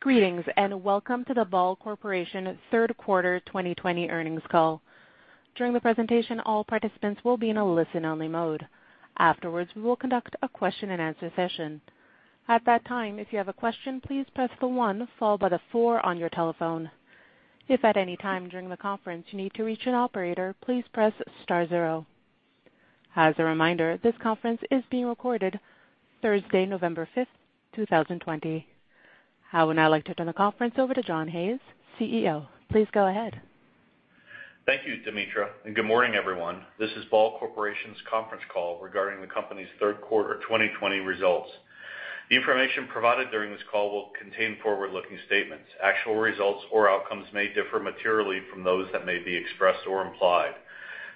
Greetings, welcome to the Ball Corporation Third Quarter 2020 Earnings Call. During the presentation, all participants will be in a listen-only mode. Afterwards, we will conduct a question-and-answer session. At that time, if you have a question, please press the one followed by the four on your telephone. If at any time during the conference you need to reach an operator, please press star zero. As a reminder, this conference is being recorded Thursday, November 5th, 2020. I would now like to turn the conference over to John Hayes, CEO. Please go ahead. Thank you, Demetria, and good morning, everyone. This is Ball Corporation's Conference Call regarding the company's Third Quarter 2020 Results. The information provided during this call will contain forward-looking statements. Actual results or outcomes may differ materially from those that may be expressed or implied.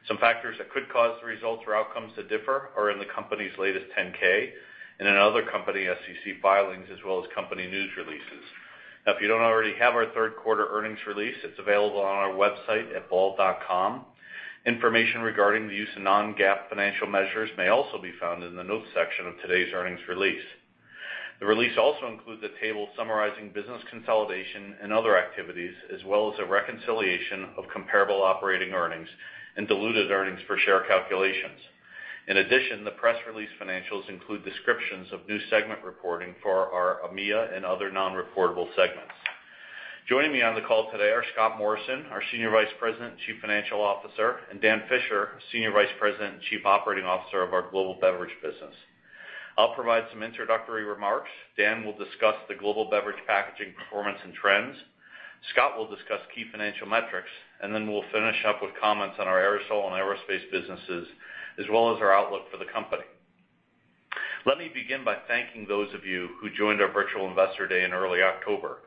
Some factors that could cause the results or outcomes to differ are in the company's latest 10-K and in other company SEC filings, as well as company news releases. Now, if you don't already have our third quarter earnings release, it's available on our website at ball.com. Information regarding the use of non-GAAP financial measures may also be found in the notes section of today's earnings release. The release also includes a table summarizing business consolidation and other activities, as well as a reconciliation of comparable operating earnings and diluted earnings per share calculations. The press release financials include descriptions of new segment reporting for our EMEA and other non-reportable segments. Joining me on the call today are Scott Morrison, our Senior Vice President and Chief Financial Officer, and Dan Fisher, Senior Vice President and Chief Operating Officer of our global beverage business. I'll provide some introductory remarks. Dan will discuss the global beverage packaging performance and trends. Scott will discuss key financial metrics, and then we'll finish up with comments on our aerosol and aerospace businesses, as well as our outlook for the company. Let me begin by thanking those of you who joined our virtual Investor Day in early October.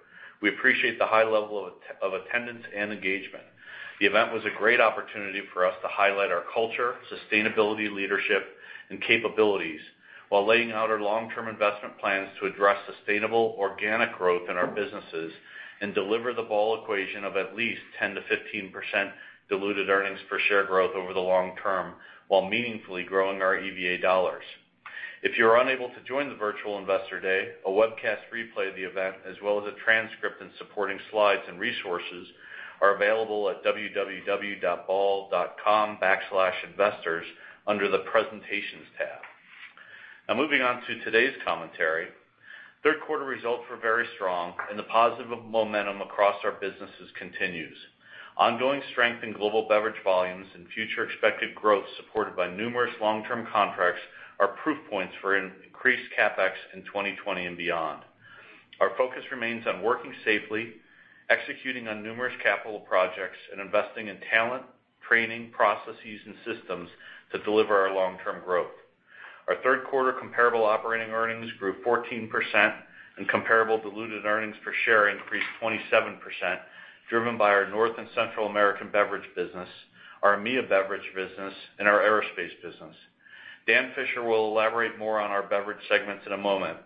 We appreciate the high level of attendance and engagement. The event was a great opportunity for us to highlight our culture, sustainability leadership, and capabilities while laying out our long-term investment plans to address sustainable organic growth in our businesses and deliver the Ball equation of at least 10%-15% diluted earnings per share growth over the long term while meaningfully growing our EVA dollars. If you were unable to join the virtual Investor Day, a webcast replay of the event, as well as a transcript and supporting slides and resources, are available at www.ball.com/investors under the presentations tab. Now, moving on to today's commentary. Third quarter results were very strong, and the positive momentum across our businesses continues. Ongoing strength in global beverage volumes and future expected growth supported by numerous long-term contracts are proof points for increased CapEx in 2020 and beyond. Our focus remains on working safely, executing on numerous capital projects, and investing in talent, training, processes, and systems to deliver our long-term growth. Our third quarter comparable operating earnings grew 14%, and comparable diluted earnings per share increased 27%, driven by our North and Central American beverage business, our EMEA beverage business, and our aerospace business. Dan Fisher will elaborate more on our beverage segments in a moment.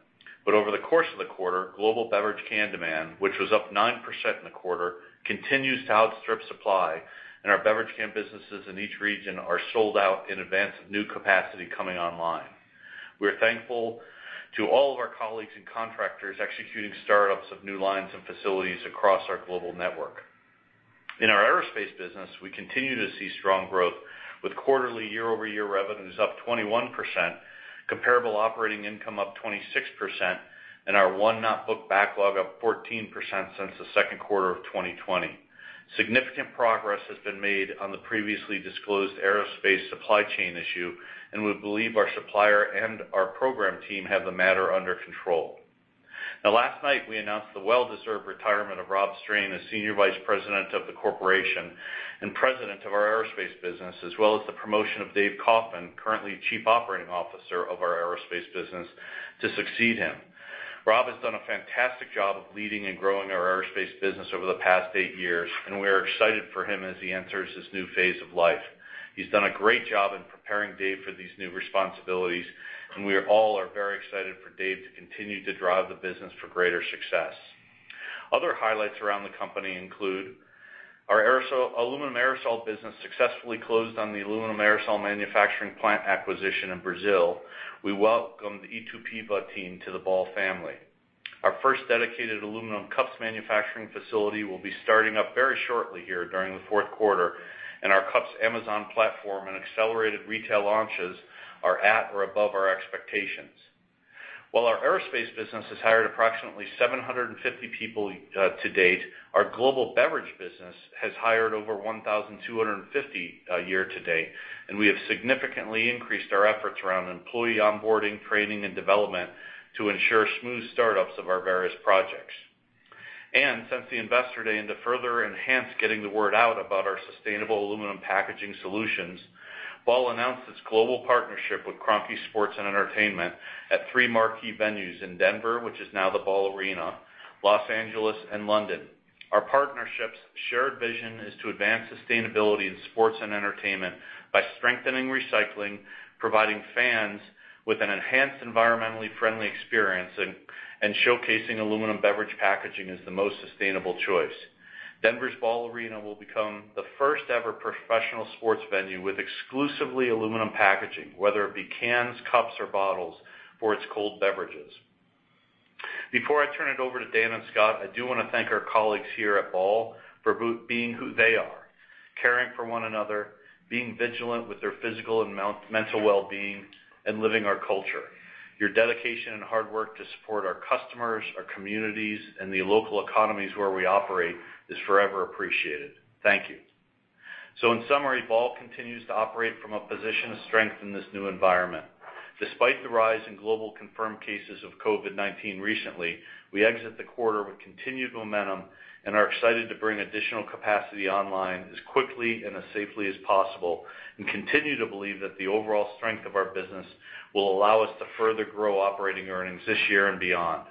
Over the course of the quarter, global beverage can demand, which was up 9% in the quarter, continues to outstrip supply, and our beverage can businesses in each region are sold out in advance of new capacity coming online. We're thankful to all of our colleagues and contractors executing startups of new lines and facilities across our global network. In our aerospace business, we continue to see strong growth with quarterly year-over-year revenues up 21%, comparable operating income up 26%, and our won-not-booked backlog up 14% since the second quarter of 2020. Significant progress has been made on the previously disclosed aerospace supply chain issue, and we believe our supplier and our program team have the matter under control. Last night, we announced the well-deserved retirement of Rob Strain as Senior Vice President of the corporation and President of our aerospace business, as well as the promotion of Dave Kaufman, currently Chief Operating Officer of our aerospace business, to succeed him. Rob has done a fantastic job of leading and growing our aerospace business over the past eight years, and we are excited for him as he enters this new phase of life. He's done a great job in preparing Dave for these new responsibilities, and we all are very excited for Dave to continue to drive the business for greater success. Other highlights around the company include our Aluminum Aerosol Business successfully closed on the aluminum aerosol manufacturing plant acquisition in Brazil. We welcome the Itupeva team to the Ball family. Our first dedicated Ball Aluminum Cups manufacturing facility will be starting up very shortly here during the fourth quarter, and our Aluminum Cups Amazon platform and accelerated retail launches are at or above our expectations. While our Aerospace Business has hired approximately 750 people to date, our Global Beverage Business has hired over 1,250 year-to-date, and we have significantly increased our efforts around employee onboarding, training, and development to ensure smooth startups of our various projects. Since the Investor Day, to further enhance getting the word out about our sustainable aluminum packaging solutions, Ball announced its global partnership with Kroenke Sports & Entertainment at three marquee venues in Denver, which is now the Ball Arena, Los Angeles, and London. Our partnership's shared vision is to advance sustainability in sports and entertainment by strengthening recycling, providing fans with an enhanced environmentally friendly experience, and showcasing aluminum beverage packaging as the most sustainable choice. Denver's Ball Arena will become the first-ever professional sports venue with exclusively aluminum packaging, whether it be cans, cups or bottles for its cold beverages. Before I turn it over to Dan and Scott, I do want to thank our colleagues here at Ball for being who they are, caring for one another, being vigilant with their physical and mental well-being, and living our culture. Your dedication and hard work to support our customers, our communities, and the local economies where we operate is forever appreciated. Thank you. In summary, Ball continues to operate from a position of strength in this new environment. Despite the rise in global confirmed cases of COVID-19 recently, we exit the quarter with continued momentum and are excited to bring additional capacity online as quickly and as safely as possible, and continue to believe that the overall strength of our business will allow us to further grow operating earnings this year and beyond.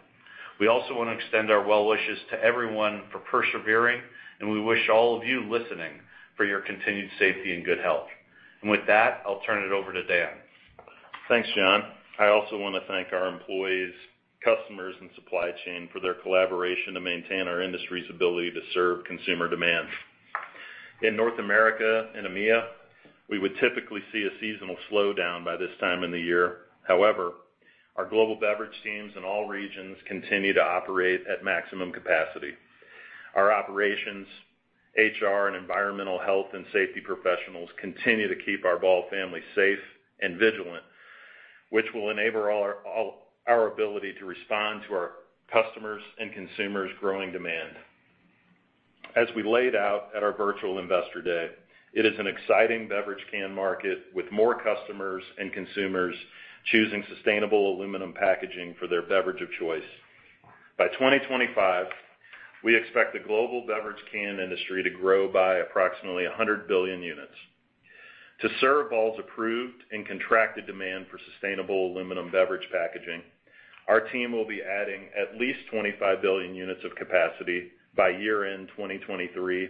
We also want to extend our well wishes to everyone for persevering, and we wish all of you listening for your continued safety and good health. With that, I'll turn it over to Dan. Thanks, John. I also want to thank our employees, customers, and supply chain for their collaboration to maintain our industry's ability to serve consumer demands. In North America and EMEA, we would typically see a seasonal slowdown by this time in the year. However, our global beverage teams in all regions continue to operate at maximum capacity. Our operations, HR, and environmental health and safety professionals continue to keep our Ball family safe and vigilant, which will enable our ability to respond to our customers' and consumers' growing demand. As we laid out at our virtual Investor Day, it is an exciting beverage can market, with more customers and consumers choosing sustainable aluminum packaging for their beverage of choice. By 2025, we expect the global beverage can industry to grow by approximately 100 billion units. To serve Ball's approved and contracted demand for sustainable aluminum beverage packaging, our team will be adding at least 25 billion units of capacity by year-end 2023.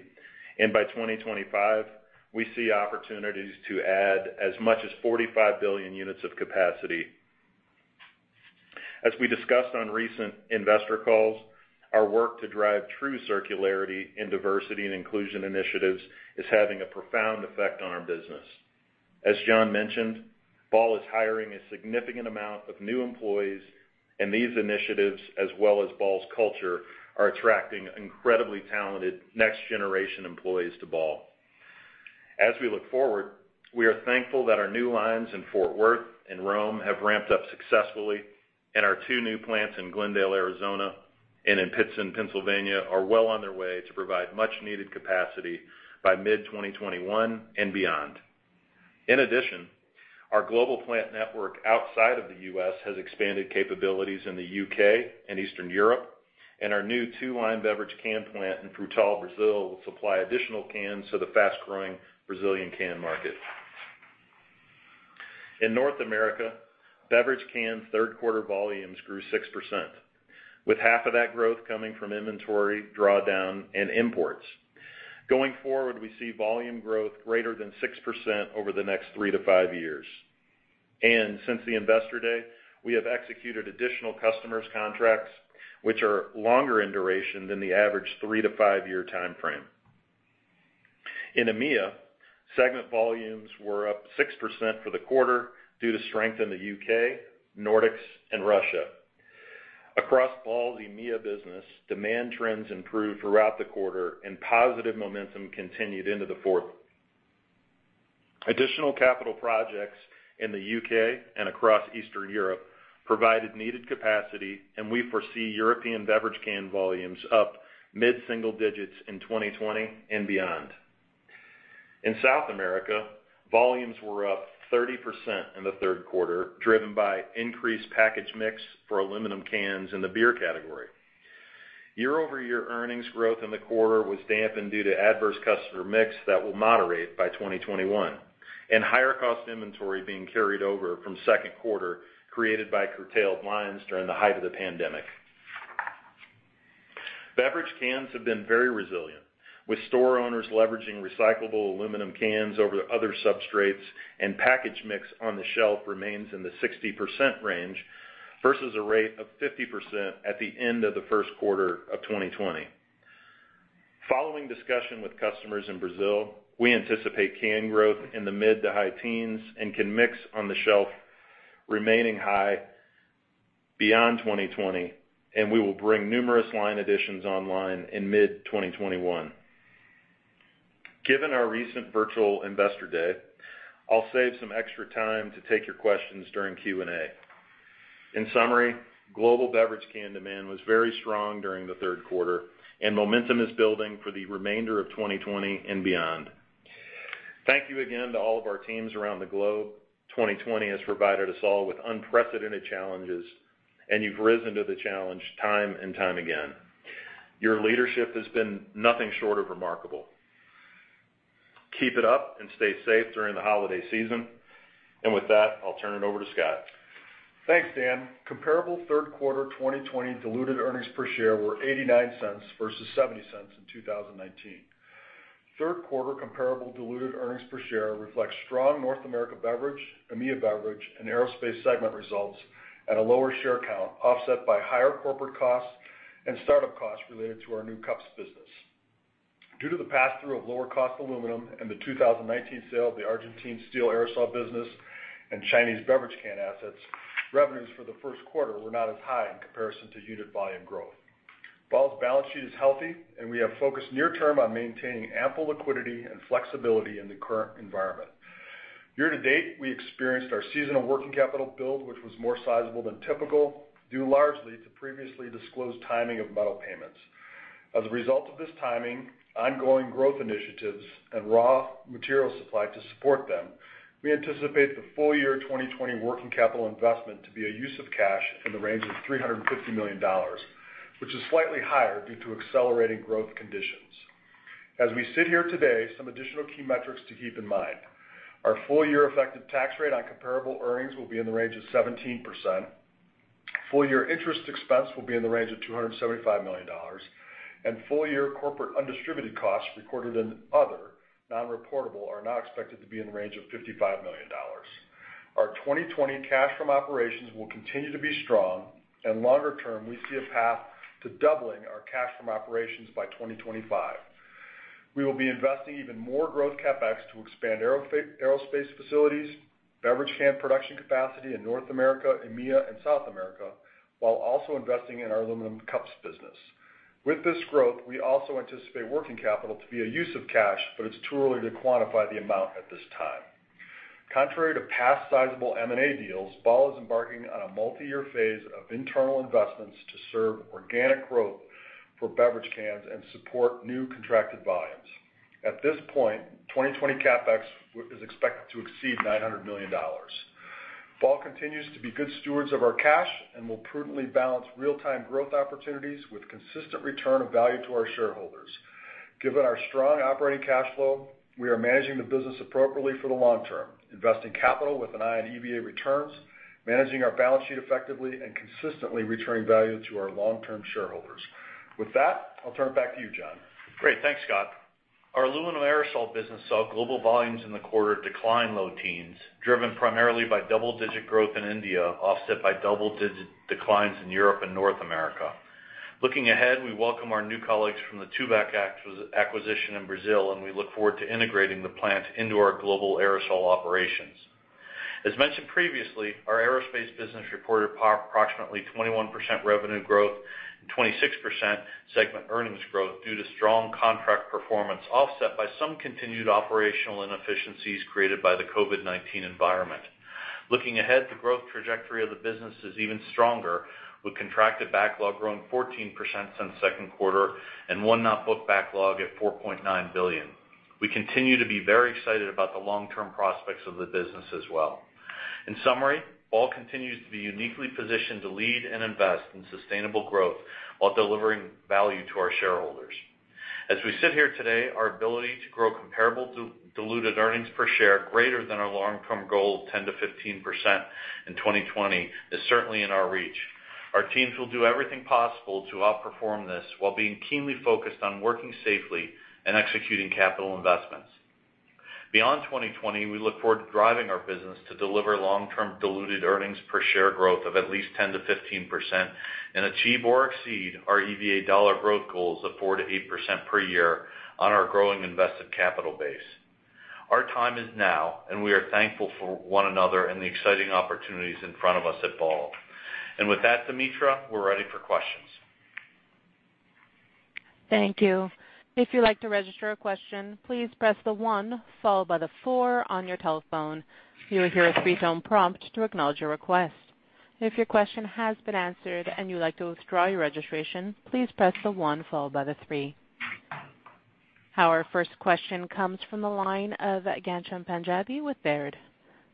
By 2025, we see opportunities to add as much as 45 billion units of capacity. As we discussed on recent investor calls, our work to drive true circularity in diversity and inclusion initiatives is having a profound effect on our business. As John mentioned, Ball is hiring a significant amount of new employees, and these initiatives, as well as Ball's culture, are attracting incredibly talented next-generation employees to Ball. As we look forward, we are thankful that our new lines in Fort Worth and Rome have ramped up successfully, and our two new plants in Glendale, Arizona and in Pittston, Pennsylvania, are well on their way to provide much-needed capacity by mid-2021 and beyond. In addition, our global plant network outside of the U.S. has expanded capabilities in the U.K. and Eastern Europe, and our new two-line beverage can plant in Frutal, Brazil, will supply additional cans to the fast-growing Brazilian can market. In North America, beverage cans' third quarter volumes grew 6%, with half of that growth coming from inventory drawdown and imports. Going forward, we see volume growth greater than 6% over the next three to five years. Since the Investor Day, we have executed additional customers' contracts, which are longer in duration than the average three to five year timeframe. In EMEA, segment volumes were up 6% for the quarter due to strength in the U.K., Nordics, and Russia. Across Ball's EMEA business, demand trends improved throughout the quarter and positive momentum continued into the fourth. Additional capital projects in the U.K. and across Eastern Europe provided needed capacity, and we foresee European beverage can volumes up mid-single digits in 2020 and beyond. In South America, volumes were up 30% in the third quarter, driven by increased package mix for aluminum cans in the beer category. Year-over-year earnings growth in the quarter was dampened due to adverse customer mix that will moderate by 2021, and higher-cost inventory being carried over from second quarter, created by curtailed lines during the height of the pandemic. Beverage cans have been very resilient, with store owners leveraging recyclable aluminum cans over other substrates, and package mix on the shelf remains in the 60% range versus a rate of 50% at the end of the first quarter of 2020. Following discussion with customers in Brazil, we anticipate can growth in the mid to high teens and can mix on the shelf remaining high beyond 2020. We will bring numerous line additions online in mid-2021. Given our recent virtual Investor Day, I'll save some extra time to take your questions during Q&A. In summary, global beverage can demand was very strong during the third quarter. Momentum is building for the remainder of 2020 and beyond. Thank you again to all of our teams around the globe. 2020 has provided us all with unprecedented challenges. You've risen to the challenge time and time again. Your leadership has been nothing short of remarkable. Keep it up and stay safe during the holiday season. With that, I'll turn it over to Scott. Thanks, Dan. Comparable third quarter 2020 diluted earnings per share were $0.89 versus $0.70 in 2019. Third quarter comparable diluted earnings per share reflects strong North America beverage, EMEA beverage, and aerospace segment results at a lower share count, offset by higher corporate costs and startup costs related to our new cups business. Due to the pass-through of lower cost aluminum and the 2019 sale of the Argentine steel aerosol business and Chinese beverage can assets, revenues for the first quarter were not as high in comparison to unit volume growth. Ball's balance sheet is healthy, and we have focused near term on maintaining ample liquidity and flexibility in the current environment. Year to date, we experienced our seasonal working capital build, which was more sizable than typical, due largely to previously disclosed timing of metal payments. As a result of this timing, ongoing growth initiatives, and raw material supply to support them, we anticipate the full year 2020 working capital investment to be a use of cash in the range of $350 million, which is slightly higher due to accelerating growth conditions. As we sit here today, some additional key metrics to keep in mind. Our full-year effective tax rate on comparable earnings will be in the range of 17%. Full-year interest expense will be in the range of $275 million. Full-year corporate undistributed costs recorded in other, non-reportable, are now expected to be in the range of $55 million. Our 2020 cash from operations will continue to be strong, and longer term, we see a path to doubling our cash from operations by 2025. We will be investing even more growth CapEx to expand aerospace facilities, beverage can production capacity in North America, EMEA, and South America, while also investing in our aluminum cups business. With this growth, we also anticipate working capital to be a use of cash, but it's too early to quantify the amount at this time. Contrary to past sizable M&A deals, Ball is embarking on a multi-year phase of internal investments to serve organic growth for beverage cans and support new contracted volumes. At this point, 2020 CapEx is expected to exceed $900 million. Ball continues to be good stewards of our cash and will prudently balance real-time growth opportunities with consistent return of value to our shareholders. Given our strong operating cash flow, we are managing the business appropriately for the long term, investing capital with an eye on EVA returns, managing our balance sheet effectively, and consistently returning value to our long-term shareholders. With that, I'll turn it back to you, John. Great. Thanks, Scott. Our aluminum aerosol business saw global volumes in the quarter decline low teens, driven primarily by double-digit growth in India, offset by double-digit declines in Europe and North America. Looking ahead, we welcome our new colleagues from Tubex acquisition in Brazil. We look forward to integrating the plant into our global aerosol operations. As mentioned previously, our aerospace business reported approximately 21% revenue growth and 26% segment earnings growth due to strong contract performance, offset by some continued operational inefficiencies created by the COVID-19 environment. Looking ahead, the growth trajectory of the business is even stronger, with contracted backlog growing 14% since second quarter and won-not-booked backlog at $4.9 billion. We continue to be very excited about the long-term prospects of the business as well. In summary, Ball continues to be uniquely positioned to lead and invest in sustainable growth while delivering value to our shareholders. As we sit here today, our ability to grow comparable diluted earnings per share greater than our long-term goal of 10%-15% in 2020 is certainly in our reach. Our teams will do everything possible to outperform this while being keenly focused on working safely and executing capital investments. Beyond 2020, we look forward to driving our business to deliver long-term diluted earnings per share growth of at least 10%-15% and achieve or exceed our EVA dollar growth goals of 4%-8% per year on our growing invested capital base. Our time is now, and we are thankful for one another and the exciting opportunities in front of us at Ball. With that, Demetria, we're ready for questions. Thank you. If you'd like to register a question, please press the one followed by the four on your telephone. You will hear a three-tone prompt to acknowledge your request. If your question has been answered and you'd like to withdraw your registration, please press the one followed by the three. Our first question comes from the line of Ghansham Panjabi with Baird.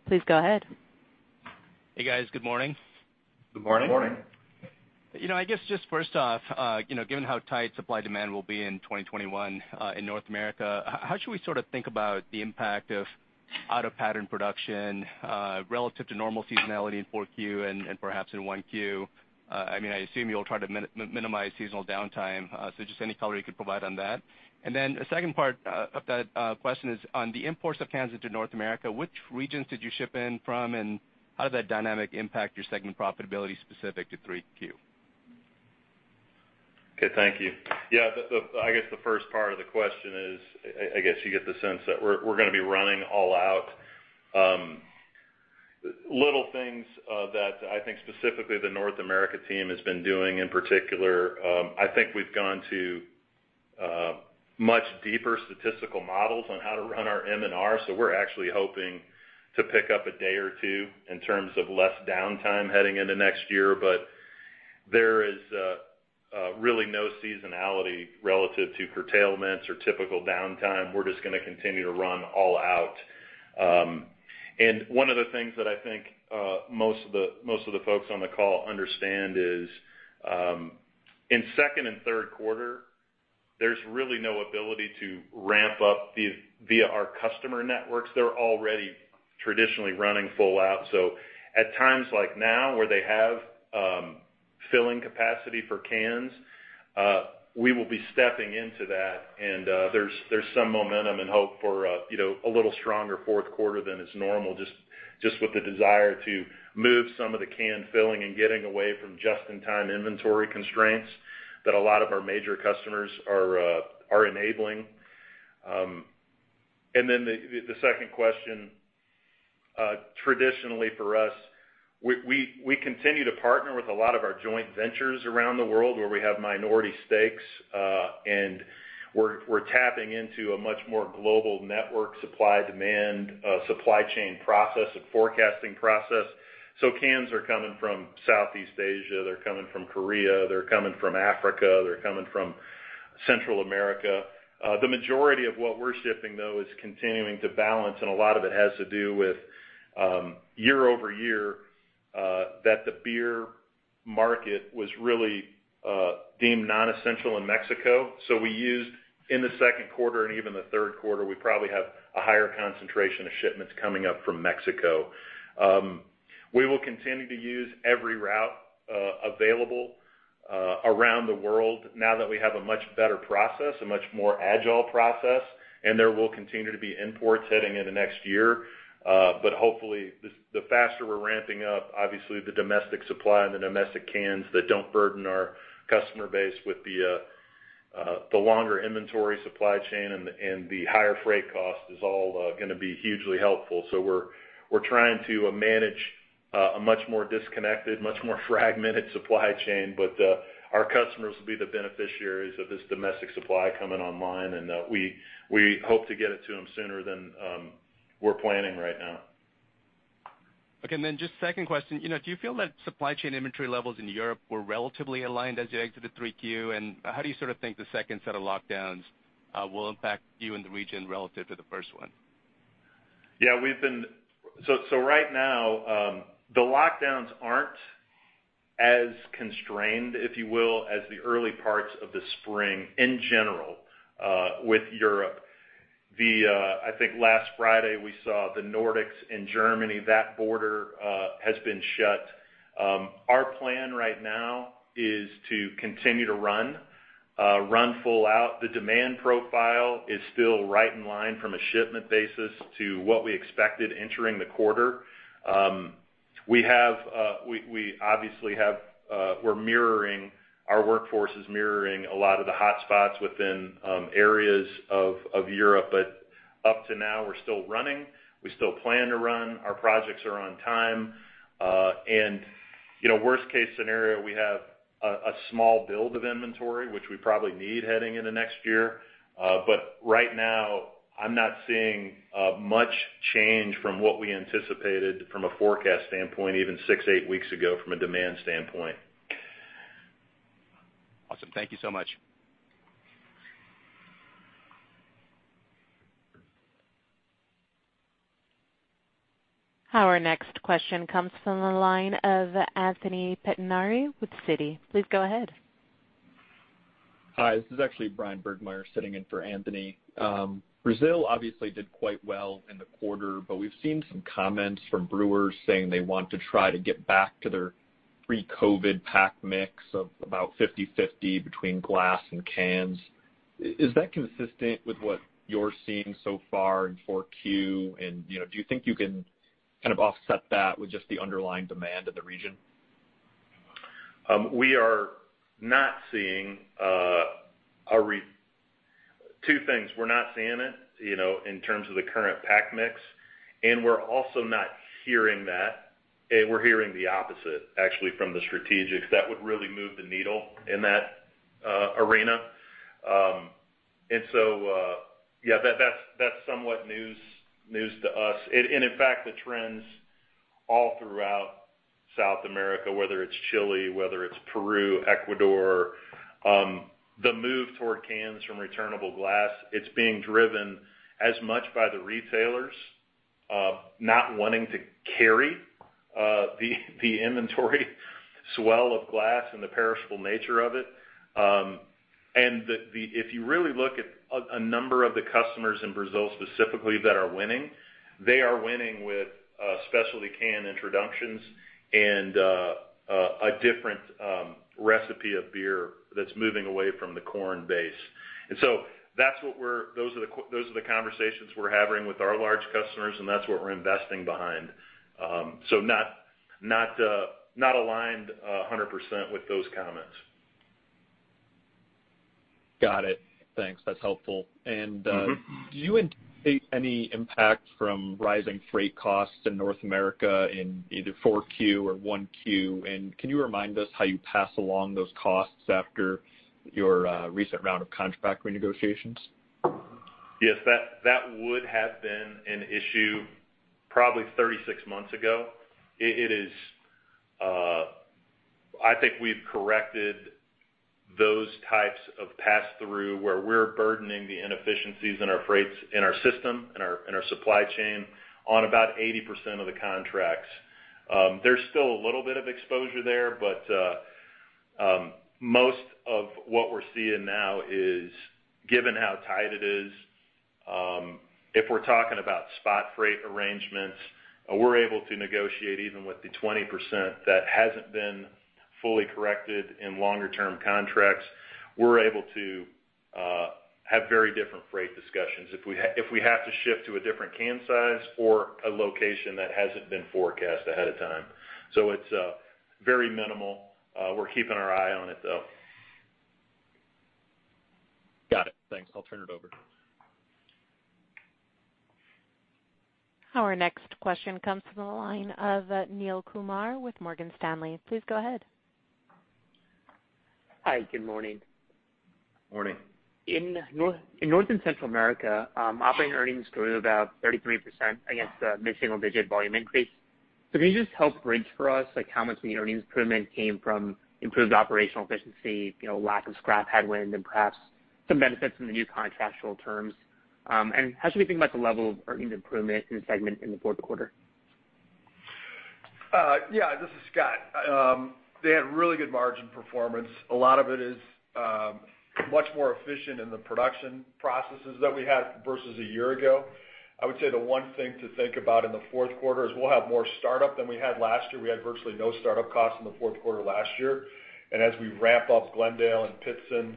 Please go ahead. Hey, guys. Good morning. Good morning. Good morning. I guess just first off, given how tight supply-demand will be in 2021 in North America, how should we think about the impact of out-of-pattern production relative to normal seasonality in 4Q and perhaps in 1Q? I assume you'll try to minimize seasonal downtime. Just any color you could provide on that. A second part of that question is on the imports of cans into North America. Which regions did you ship in from, and how did that dynamic impact your segment profitability specific to 3Q? Okay, thank you. I guess the first part of the question is, I guess you get the sense that we're going to be running all out. Little things that I think specifically the North America team has been doing in particular, I think we've gone to much deeper statistical models on how to run our M&R. We're actually hoping to pick up a day or two in terms of less downtime heading into next year. There is really no seasonality relative to curtailments or typical downtime. We're just going to continue to run all out. One of the things that I think most of the folks on the call understand is, in second and third quarter, there's really no ability to ramp up via our customer networks. They're already traditionally running full out. At times like now, where they have filling capacity for cans, we will be stepping into that. There's some momentum and hope for a little stronger fourth quarter than is normal, just with the desire to move some of the can filling and getting away from just-in-time inventory constraints that a lot of our major customers are enabling. The second question. Traditionally for us, we continue to partner with a lot of our joint ventures around the world where we have minority stakes. We're tapping into a much more global network supply, demand, supply chain process, and forecasting process. Cans are coming from Southeast Asia, they're coming from Korea, they're coming from Africa, they're coming from Central America. The majority of what we're shipping, though, is continuing to balance, and a lot of it has to do with year-over-year, that the beer market was really deemed non-essential in Mexico. We used, in the second quarter and even the third quarter, we probably have a higher concentration of shipments coming up from Mexico. We will continue to use every route available around the world now that we have a much better process, a much more agile process, and there will continue to be imports heading into next year. Hopefully, the faster we're ramping up, obviously, the domestic supply and the domestic cans that don't burden our customer base with the longer inventory supply chain and the higher freight cost is all going to be hugely helpful. We're trying to manage a much more disconnected, much more fragmented supply chain, but our customers will be the beneficiaries of this domestic supply coming online, and we hope to get it to them sooner than we're planning right now. Okay. Just second question. Do you feel that supply chain inventory levels in Europe were relatively aligned as you exit the 3Q? How do you sort of think the second set of lockdowns will impact you in the region relative to the first one? Yeah. Right now, the lockdowns aren't as constrained, if you will, as the early parts of the spring in general, with Europe. I think last Friday we saw the Nordics and Germany, that border has been shut. Our plan right now is to continue to run full out. The demand profile is still right in line from a shipment basis to what we expected entering the quarter. Our workforce is mirroring a lot of the hotspots within areas of Europe. Up to now, we're still running. We still plan to run. Our projects are on time. Worst case scenario, we have a small build of inventory, which we probably need heading into next year. Right now, I'm not seeing much change from what we anticipated from a forecast standpoint, even six, eight weeks ago from a demand standpoint. Awesome. Thank you so much. Our next question comes from the line of Anthony Pettinari with Citi. Please go ahead. Hi, this is actually Bryan Burgmeier sitting in for Anthony. Brazil obviously did quite well in the quarter, but we've seen some comments from brewers saying they want to try to get back to their pre-COVID pack mix of about 50/50 between glass and cans. Is that consistent with what you're seeing so far in 4Q, and do you think you can kind of offset that with just the underlying demand of the region? Two things. We're not seeing it, in terms of the current pack mix, and we're also not hearing that. We're hearing the opposite, actually, from the strategics. That would really move the needle in that arena. Yeah, that's somewhat news to us. In fact, the trends all throughout South America, whether it's Chile, whether it's Peru, Ecuador, the move toward cans from returnable glass, it's being driven as much by the retailers not wanting to carry the inventory swell of glass and the perishable nature of it. If you really look at a number of the customers in Brazil specifically that are winning, they are winning with specialty can introductions and a different recipe of beer that's moving away from the corn base. Those are the conversations we're having with our large customers, and that's what we're investing behind. Not aligned 100% with those comments. Got it. Thanks. That's helpful. Do you anticipate any impact from rising freight costs in North America in either 4Q or 1Q, and can you remind us how you pass along those costs after your recent round of contract renegotiations? Yes, that would have been an issue probably 36 months ago. I think we've corrected those types of pass-through where we're burdening the inefficiencies in our freights, in our system, in our supply chain on about 80% of the contracts. There's still a little bit of exposure there. Most of what we're seeing now is given how tight it is. If we're talking about spot freight arrangements, we're able to negotiate even with the 20% that hasn't been fully corrected in longer term contracts. We're able to have very different freight discussions if we have to shift to a different can size or a location that hasn't been forecast ahead of time. It's very minimal. We're keeping our eye on it, though. Got it. Thanks. I'll turn it over. Our next question comes from the line of Neel Kumar with Morgan Stanley. Please go ahead. Hi. Good morning. Morning. In North and Central America, operating earnings grew about 33% against a mid-single-digit volume increase. Can you just help bridge for us, how much of the earnings improvement came from improved operational efficiency, lack of scrap headwind, and perhaps some benefits from the new contractual terms? How should we think about the level of earnings improvement in the segment in the fourth quarter? Yeah. This is Scott. They had really good margin performance. A lot of it is much more efficient in the production processes that we had versus a year ago. I would say the one thing to think about in the fourth quarter is we'll have more startup than we had last year. We had virtually no startup costs in the fourth quarter last year. As we ramp up Glendale and Pittston,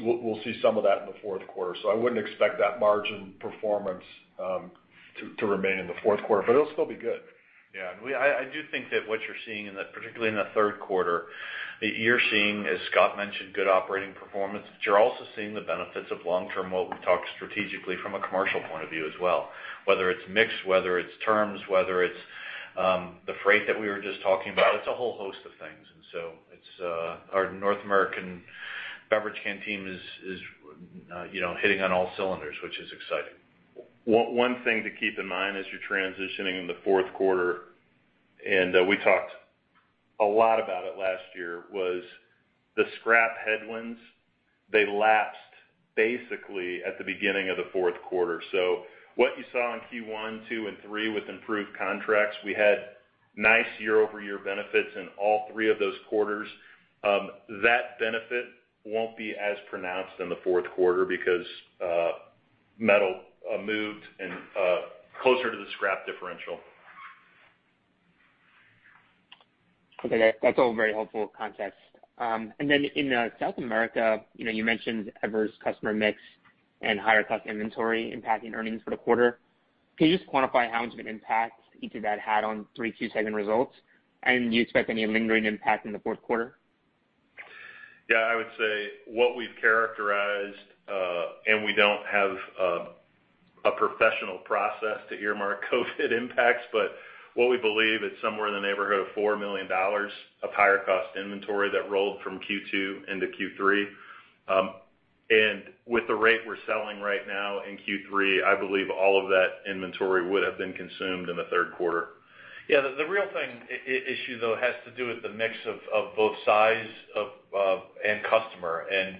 we'll see some of that in the fourth quarter. I wouldn't expect that margin performance to remain in the fourth quarter, but it'll still be good. Yeah. I do think that what you're seeing, particularly in the third quarter, you're seeing, as Scott mentioned, good operating performance. You're also seeing the benefits of long-term, what we've talked strategically from a commercial point of view as well, whether it's mix, whether it's terms, whether it's the freight that we were just talking about. It's a whole host of things. Our North American beverage can team is hitting on all cylinders, which is exciting. One thing to keep in mind as you're transitioning in the fourth quarter, and we talked a lot about it last year, was the scrap headwinds. They lapsed basically at the beginning of the fourth quarter. What you saw in Q1, two, and three with improved contracts, we had nice year-over-year benefits in all three of those quarters. That benefit won't be as pronounced in the fourth quarter because metal moved closer to the scrap differential. Okay. That's all very helpful context. In South America, you mentioned adverse customer mix and higher cost inventory impacting earnings for the quarter. Can you just quantify how much of an impact each of that had on 3Q segment results? Do you expect any lingering impact in the fourth quarter? Yeah. I would say what we've characterized, and we don't have a professional process to earmark COVID impacts, but what we believe is somewhere in the neighborhood of $4 million of higher cost inventory that rolled from Q2 into Q3. With the rate we're selling right now in Q3, I believe all of that inventory would have been consumed in the third quarter. Yeah. The real issue, though, has to do with the mix of both size and customer. As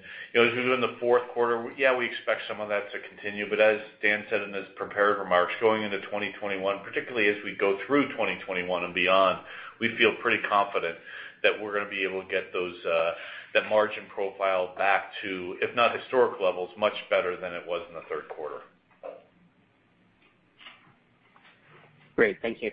we go in the fourth quarter, yeah, we expect some of that to continue, but as Dan said in his prepared remarks, going into 2021, particularly as we go through 2021 and beyond, we feel pretty confident that we're going to be able to get that margin profile back to, if not historic levels, much better than it was in the third quarter. Great. Thank you.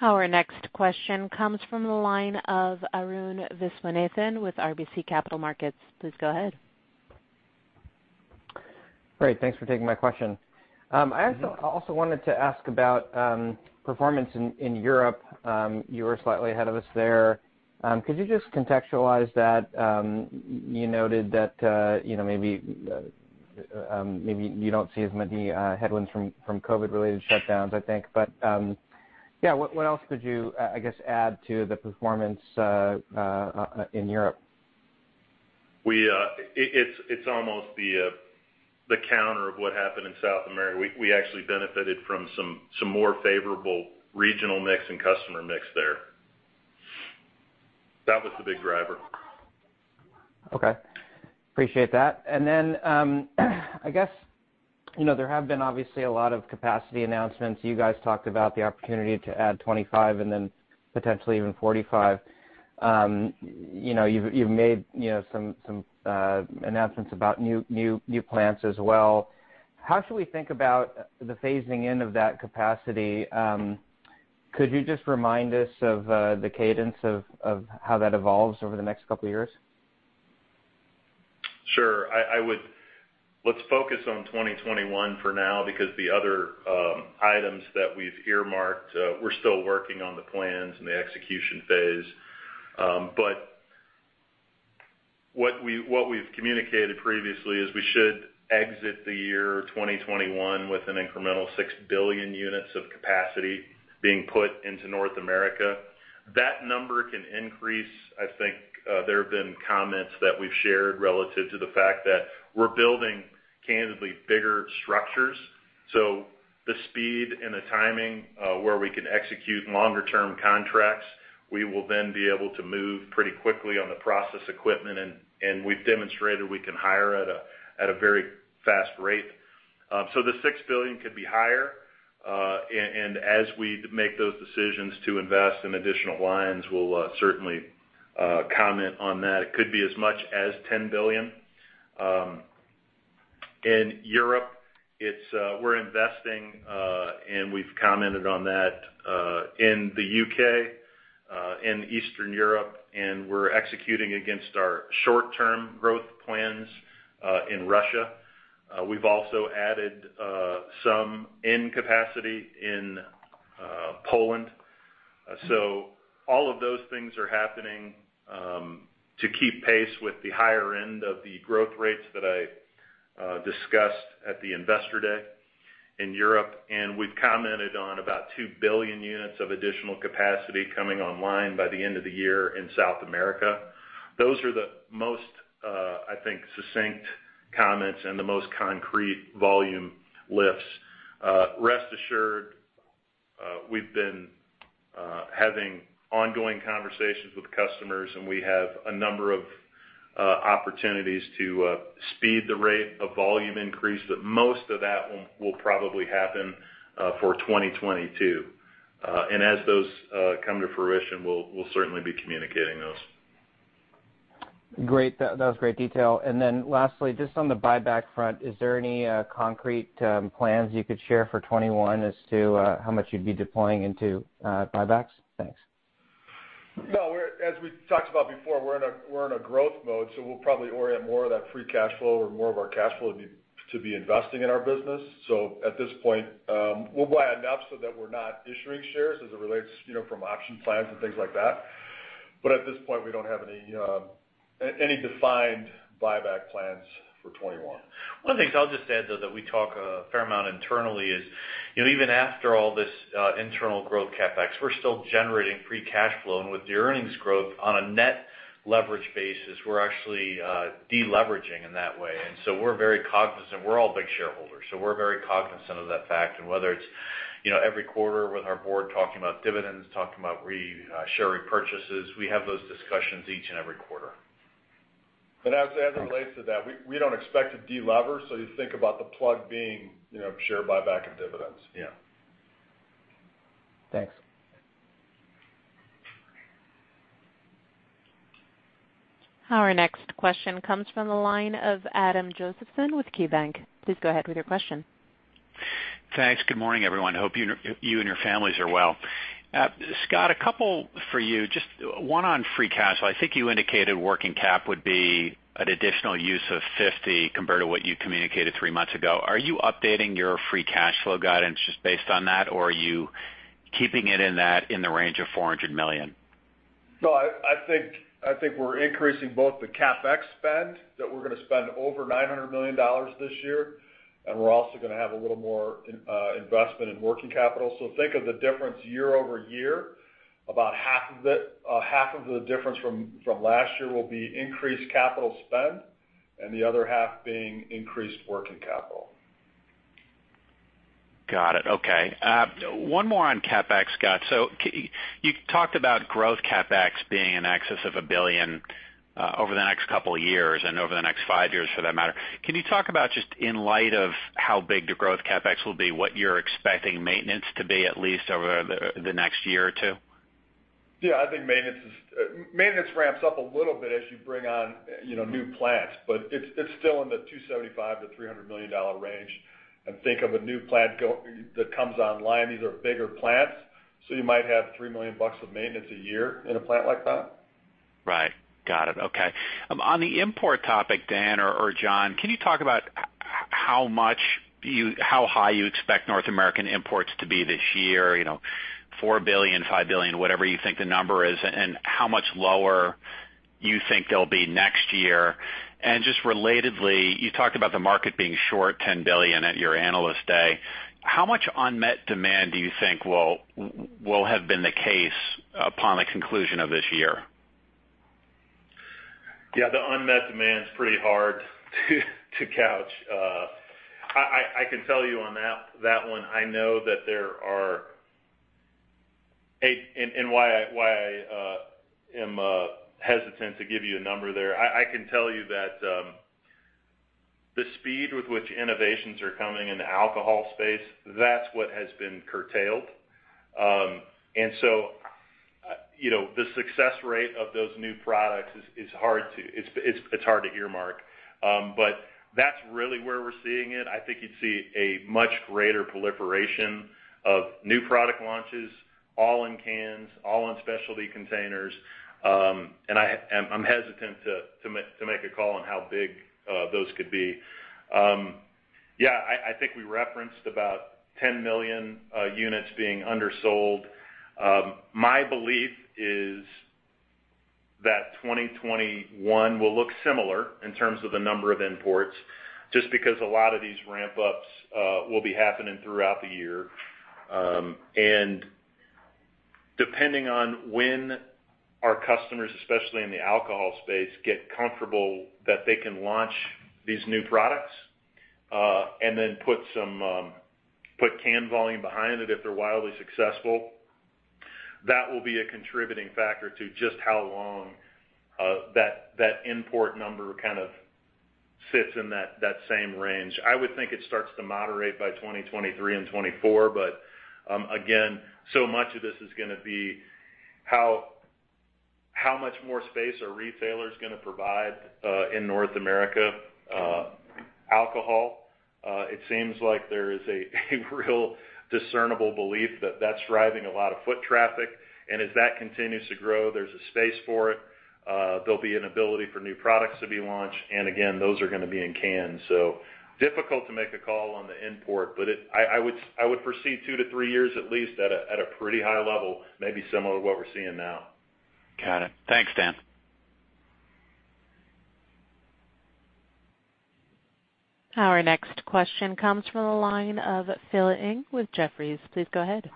Our next question comes from the line of Arun Viswanathan with RBC Capital Markets. Please go ahead. Great. Thanks for taking my question. I also wanted to ask about performance in Europe. You were slightly ahead of us there. Could you just contextualize that? You noted that maybe you don't see as many headwinds from COVID-19 related shutdowns. Yeah. What else could you, I guess, add to the performance in Europe? It's almost the counter of what happened in South America. We actually benefited from some more favorable regional mix and customer mix there. That was the big driver. Okay. Appreciate that. I guess, there have been obviously a lot of capacity announcements. You guys talked about the opportunity to add 25 and then potentially even 45. You've made some announcements about new plants as well. How should we think about the phasing in of that capacity? Could you just remind us of the cadence of how that evolves over the next couple of years? Sure. Let's focus on 2021 for now because the other items that we've earmarked, we're still working on the plans and the execution phase. What we've communicated previously is we should exit the year 2021 with an incremental six billion units of capacity being put into North America. That number can increase. I think there have been comments that we've shared relative to the fact that we're building candidly bigger structures. The speed and the timing where we can execute longer term contracts, we will then be able to move pretty quickly on the process equipment, and we've demonstrated we can hire at a very fast rate. The $6 billion could be higher. As we make those decisions to invest in additional lines, we'll certainly comment on that. It could be as much as $10 billion. In Europe, we're investing, and we've commented on that in the U.K., in Eastern Europe, and we're executing against our short-term growth plans in Russia. We've also added some in-capacity in Poland. All of those things are happening to keep pace with the higher end of the growth rates that I discussed at the Investor Day in Europe. We've commented on about 2 billion units of additional capacity coming online by the end of the year in South America. Those are the most, I think, succinct comments and the most concrete volume lifts. Rest assured, we've been having ongoing conversations with customers, and we have a number of opportunities to speed the rate of volume increase, but most of that will probably happen for 2022. As those come to fruition, we'll certainly be communicating those. Great. That was great detail. Lastly, just on the buyback front, is there any concrete plans you could share for 2021 as to how much you'd be deploying into buybacks? Thanks. No, as we talked about before, we're in a growth mode, we'll probably orient more of that free cash flow or more of our cash flow to be investing in our business. At this point, we'll buy enough so that we're not issuing shares as it relates from option plans and things like that. At this point, we don't have any defined buyback plans for 2021. One of the things I'll just add, though, that we talk a fair amount internally is, even after all this internal growth CapEx, we're still generating free cash flow. With the earnings growth on a net leverage basis, we're actually de-leveraging in that way. We're very cognizant. We're all big shareholders, so we're very cognizant of that fact. Whether it's every quarter with our board talking about dividends, talking about share repurchases, we have those discussions each and every quarter. As it relates to that, we don't expect to de-lever. You think about the plug being share buyback and dividends. Yeah. Thanks. Our next question comes from the line of Adam Josephson with KeyBanc. Please go ahead with your question. Thanks. Good morning, everyone. Hope you and your families are well. Scott, a couple for you. One on free cash flow. I think you indicated working cap would be an additional use of $50 compared to what you communicated three months ago. Are you updating your free cash flow guidance just based on that, or are you keeping it in that range of $400 million? No, I think we're increasing both the CapEx spend that we're going to spend over $900 million this year, and we're also going to have a little more investment in working capital. Think of the difference year-over-year. About half of the difference from last year will be increased capital spend and the other half being increased working capital. Got it. Okay. One more on CapEx, Scott. You talked about growth CapEx being in excess of $1 billion over the next couple of years and over the next five years for that matter. Can you talk about just in light of how big the growth CapEx will be, what you're expecting maintenance to be at least over the next year or two? Yeah, I think maintenance ramps up a little bit as you bring on new plants, but it's still in the $275 million-$300 million range. Think of a new plant that comes online. These are bigger plants, so you might have $3 million of maintenance a year in a plant like that. Right. Got it. Okay. On the import topic, Dan or John, can you talk about how high you expect North American imports to be this year? $4 billion, $5 billion, whatever you think the number is, and how much lower you think they'll be next year. Just relatedly, you talked about the market being short $10 billion at your Analyst Day. How much unmet demand do you think will have been the case upon the conclusion of this year? The unmet demand's pretty hard to couch. I can tell you on that one, I know why I am hesitant to give you a number there. I can tell you that the speed with which innovations are coming in the alcohol space, that's what has been curtailed. The success rate of those new products is hard to earmark. That's really where we're seeing it. I think you'd see a much greater proliferation of new product launches, all in cans, all in specialty containers. I'm hesitant to make a call on how big those could be. I think we referenced about 10 million units being undersold. My belief is that 2021 will look similar in terms of the number of imports, just because a lot of these ramp-ups will be happening throughout the year. Depending on when our customers, especially in the alcohol space, get comfortable that they can launch these new products, and then put can volume behind it if they're wildly successful. That will be a contributing factor to just how long that import number kind of sits in that same range. I would think it starts to moderate by 2023 and 2024. Again, so much of this is going to be how much more space are retailers going to provide in North America. Alcohol, it seems like there is a real discernible belief that that's driving a lot of foot traffic, and as that continues to grow, there's a space for it. There'll be an ability for new products to be launched, and again, those are going to be in cans. Difficult to make a call on the import, but I would foresee two to three years at least at a pretty high level, maybe similar to what we're seeing now. Got it. Thanks, Dan. Our next question comes from the line of Phil Ng with Jefferies. Please go ahead.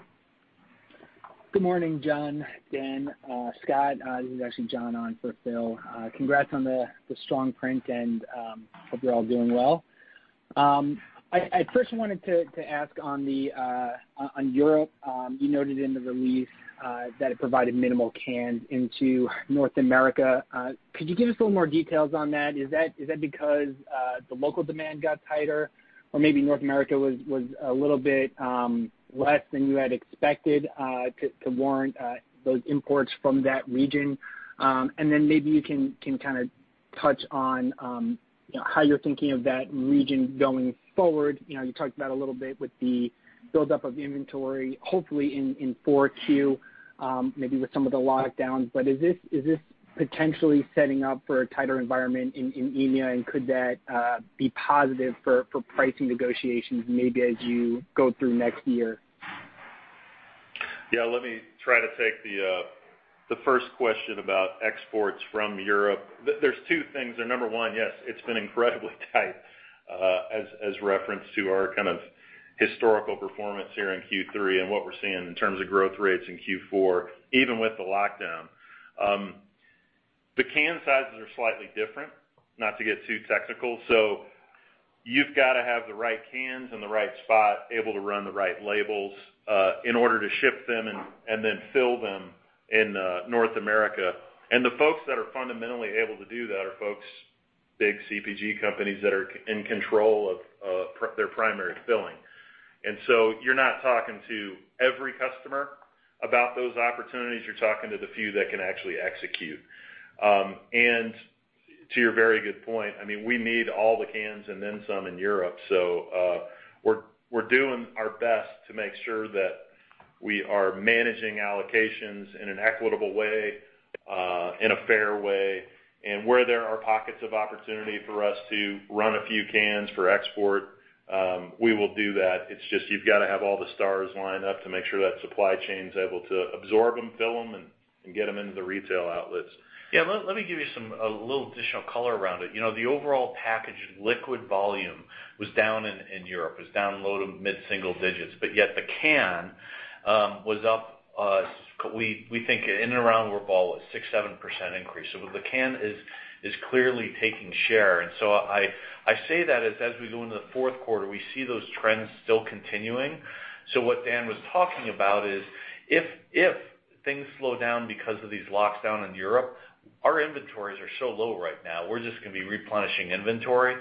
Good morning, John, Dan, Scott. This is actually John on for Phil. Congrats on the strong print and hope you're all doing well. I first wanted to ask on Europe, you noted in the release that it provided minimal cans into North America. Could you give us a little more details on that? Is that because the local demand got tighter or maybe North America was a little bit less than you had expected to warrant those imports from that region? Then maybe you can kind of touch on how you're thinking of that region going forward. You talked about a little bit with the buildup of inventory, hopefully in 4Q, maybe with some of the lockdowns. Is this potentially setting up for a tighter environment in EMEA? Could that be positive for pricing negotiations maybe as you go through next year? Let me try to take the first question about exports from Europe. There's two things there. Number one, yes, it's been incredibly tight as referenced to our kind of historical performance here in Q3 and what we're seeing in terms of growth rates in Q4, even with the lockdown. The can sizes are slightly different, not to get too technical. You've got to have the right cans in the right spot, able to run the right labels in order to ship them and then fill them in North America. The folks that are fundamentally able to do that are folks, big CPG companies that are in control of their primary filling. You're not talking to every customer about those opportunities. You're talking to the few that can actually execute. To your very good point, we need all the cans and then some in Europe. We're doing our best to make sure that we are managing allocations in an equitable way, in a fair way. Where there are pockets of opportunity for us to run a few cans for export, we will do that. It's just you've got to have all the stars lined up to make sure that supply chain's able to absorb them, fill them, and get them into the retail outlets. Yeah, let me give you a little additional color around it. The overall packaged liquid volume was down in Europe. It was down low to mid-single digits, but yet the can was up, we think in and around where Ball is, 6%, 7% increase. The can is clearly taking share. I say that as we go into the fourth quarter, we see those trends still continuing. What Dan was talking about is if things slow down because of these lockdowns in Europe, our inventories are so low right now, we're just going to be replenishing inventory.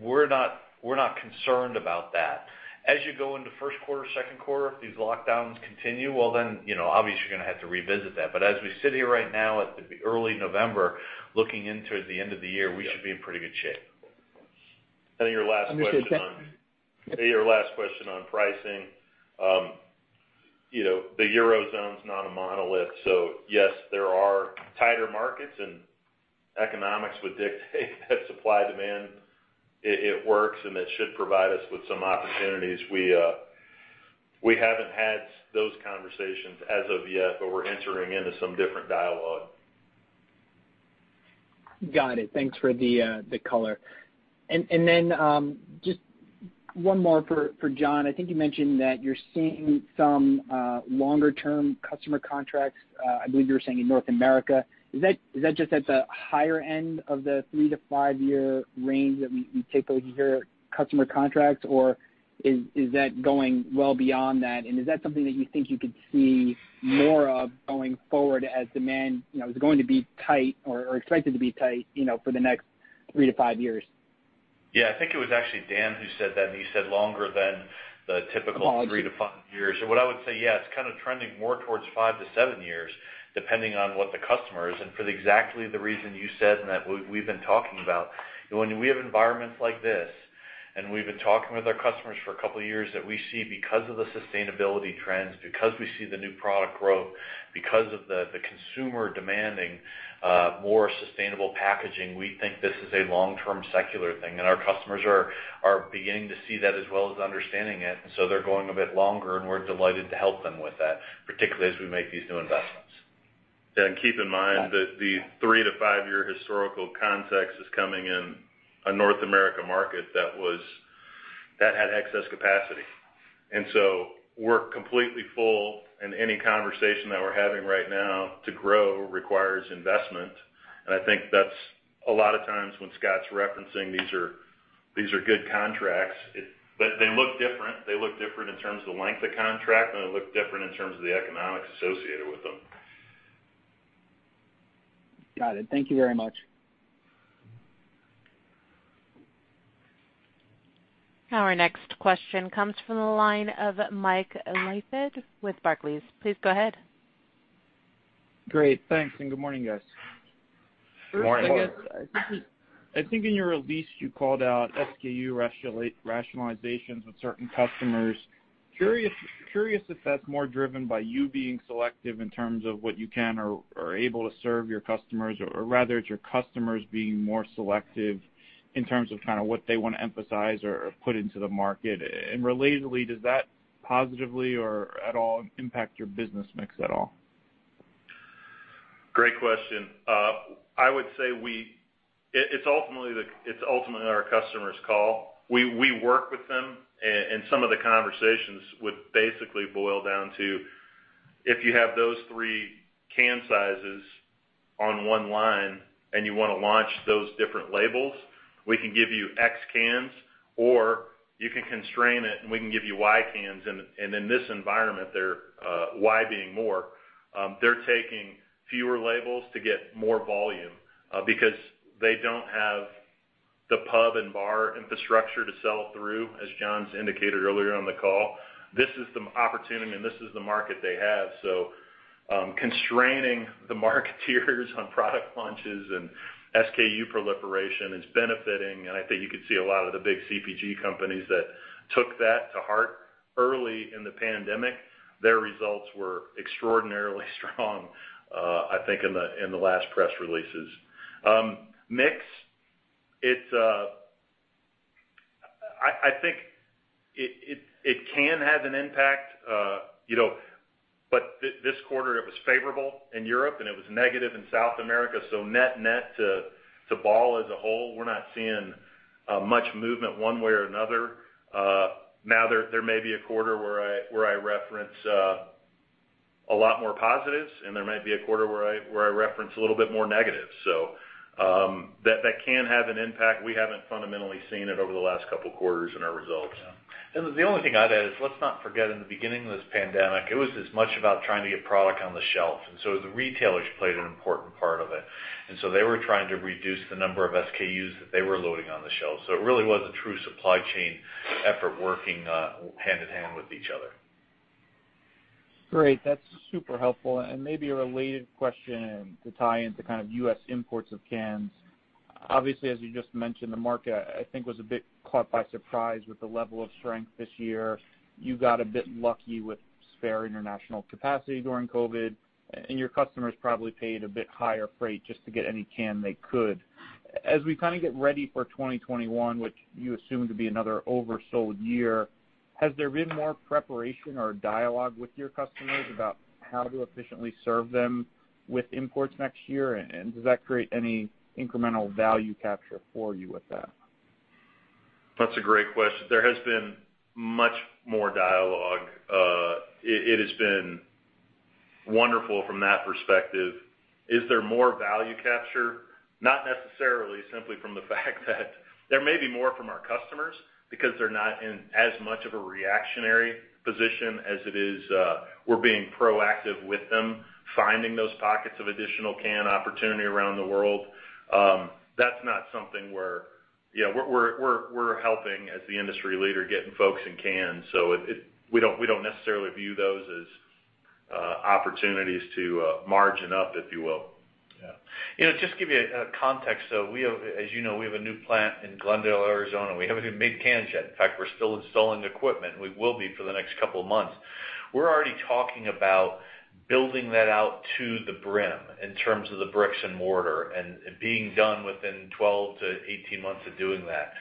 We're not concerned about that. As you go into first quarter, second quarter, if these lockdowns continue, well then, obviously, you're going to have to revisit that. As we sit here right now at early November, looking into the end of the year, we should be in pretty good shape. Understood. To your last question on pricing. The Eurozone is not a monolith, so yes, there are tighter markets. Economics would dictate that supply-demand, it works, and it should provide us with some opportunities. We haven't had those conversations as of yet. We're entering into some different dialogue. Got it. Thanks for the color. Then just one more for John. I think you mentioned that you're seeing some longer-term customer contracts. I believe you were saying in North America. Is that just at the higher end of the three to five year range that we typically hear customer contracts, or is that going well beyond that? Is that something that you think you could see more of going forward as demand is going to be tight or expected to be tight for the next three to five years? I think it was actually Dan who said that. He said longer than the typical three to five years. What I would say, it's kind of trending more towards five to seven years, depending on what the customer is, for exactly the reason you said and that we've been talking about. When we have environments like this, we've been talking with our customers for a couple of years, that we see because of the sustainability trends, because we see the new product growth, because of the consumer demanding more sustainable packaging, we think this is a long-term secular thing. Our customers are beginning to see that as well as understanding it. They're going a bit longer, we're delighted to help them with that, particularly as we make these new investments. Keep in mind that the three to five-year historical context is coming in a North America market that had excess capacity. We're completely full, and any conversation that we're having right now to grow requires investment. I think that's a lot of times when Scott's referencing These are good contracts, but they look different. They look different in terms of the length of contract, and they look different in terms of the economics associated with them. Got it. Thank you very much. Our next question comes from the line of Mike Leithead with Barclays. Please go ahead. Great. Thanks. Good morning, guys. Morning. Morning. I think in your release, you called out SKU rationalizations with certain customers. Curious if that's more driven by you being selective in terms of what you can or are able to serve your customers, or rather, it's your customers being more selective in terms of what they want to emphasize or put into the market. Does that positively or at all impact your business mix at all? Great question. I would say it's ultimately our customer's call. We work with them, some of the conversations would basically boil down to if you have those three can sizes on one line and you want to launch those different labels, we can give you X cans, or you can constrain it, and we can give you Y cans. In this environment, Y being more, they're taking fewer labels to get more volume because they don't have the pub and bar infrastructure to sell through, as John's indicated earlier on the call. This is the opportunity, and this is the market they have. Constraining the marketeers on product launches and SKU proliferation is benefiting, and I think you could see a lot of the big CPG companies that took that to heart early in the pandemic, their results were extraordinarily strong, I think, in the last press releases. Mix, I think it can have an impact, but this quarter, it was favorable in Europe, and it was negative in South America. Net-net to Ball as a whole, we're not seeing much movement one way or another. Now, there may be a quarter where I reference a lot more positives, and there might be a quarter where I reference a little bit more negative. That can have an impact. We haven't fundamentally seen it over the last couple of quarters in our results. Yeah. The only thing I'd add is let's not forget, in the beginning of this pandemic, it was as much about trying to get product on the shelf. The retailers played an important part of it. They were trying to reduce the number of SKUs that they were loading on the shelf. It really was a true supply chain effort working hand-in-hand with each other. Great. That's super helpful. Maybe a related question to tie into U.S. imports of cans. Obviously, as you just mentioned, the market, I think, was a bit caught by surprise with the level of strength this year. You got a bit lucky with spare international capacity during COVID-19. Your customers probably paid a bit higher freight just to get any can they could. As we get ready for 2021, which you assume to be another oversold year, has there been more preparation or dialogue with your customers about how to efficiently serve them with imports next year? Does that create any incremental value capture for you with that? That's a great question. There has been much more dialogue. It has been wonderful from that perspective. Is there more value capture? Not necessarily, simply from the fact that there may be more from our customers because they're not in as much of a reactionary position as it is we're being proactive with them, finding those pockets of additional can opportunity around the world. That's not something. We're helping as the industry leader, getting folks in cans. We don't necessarily view those as opportunities to margin up, if you will. Yeah. Just to give you a context, as you know, we have a new plant in Glendale, Arizona. We haven't even made cans yet. In fact, we're still installing equipment, and we will be for the next couple of months. We're already talking about building that out to the brim in terms of the bricks and mortar, and being done within 12-18 months of doing that.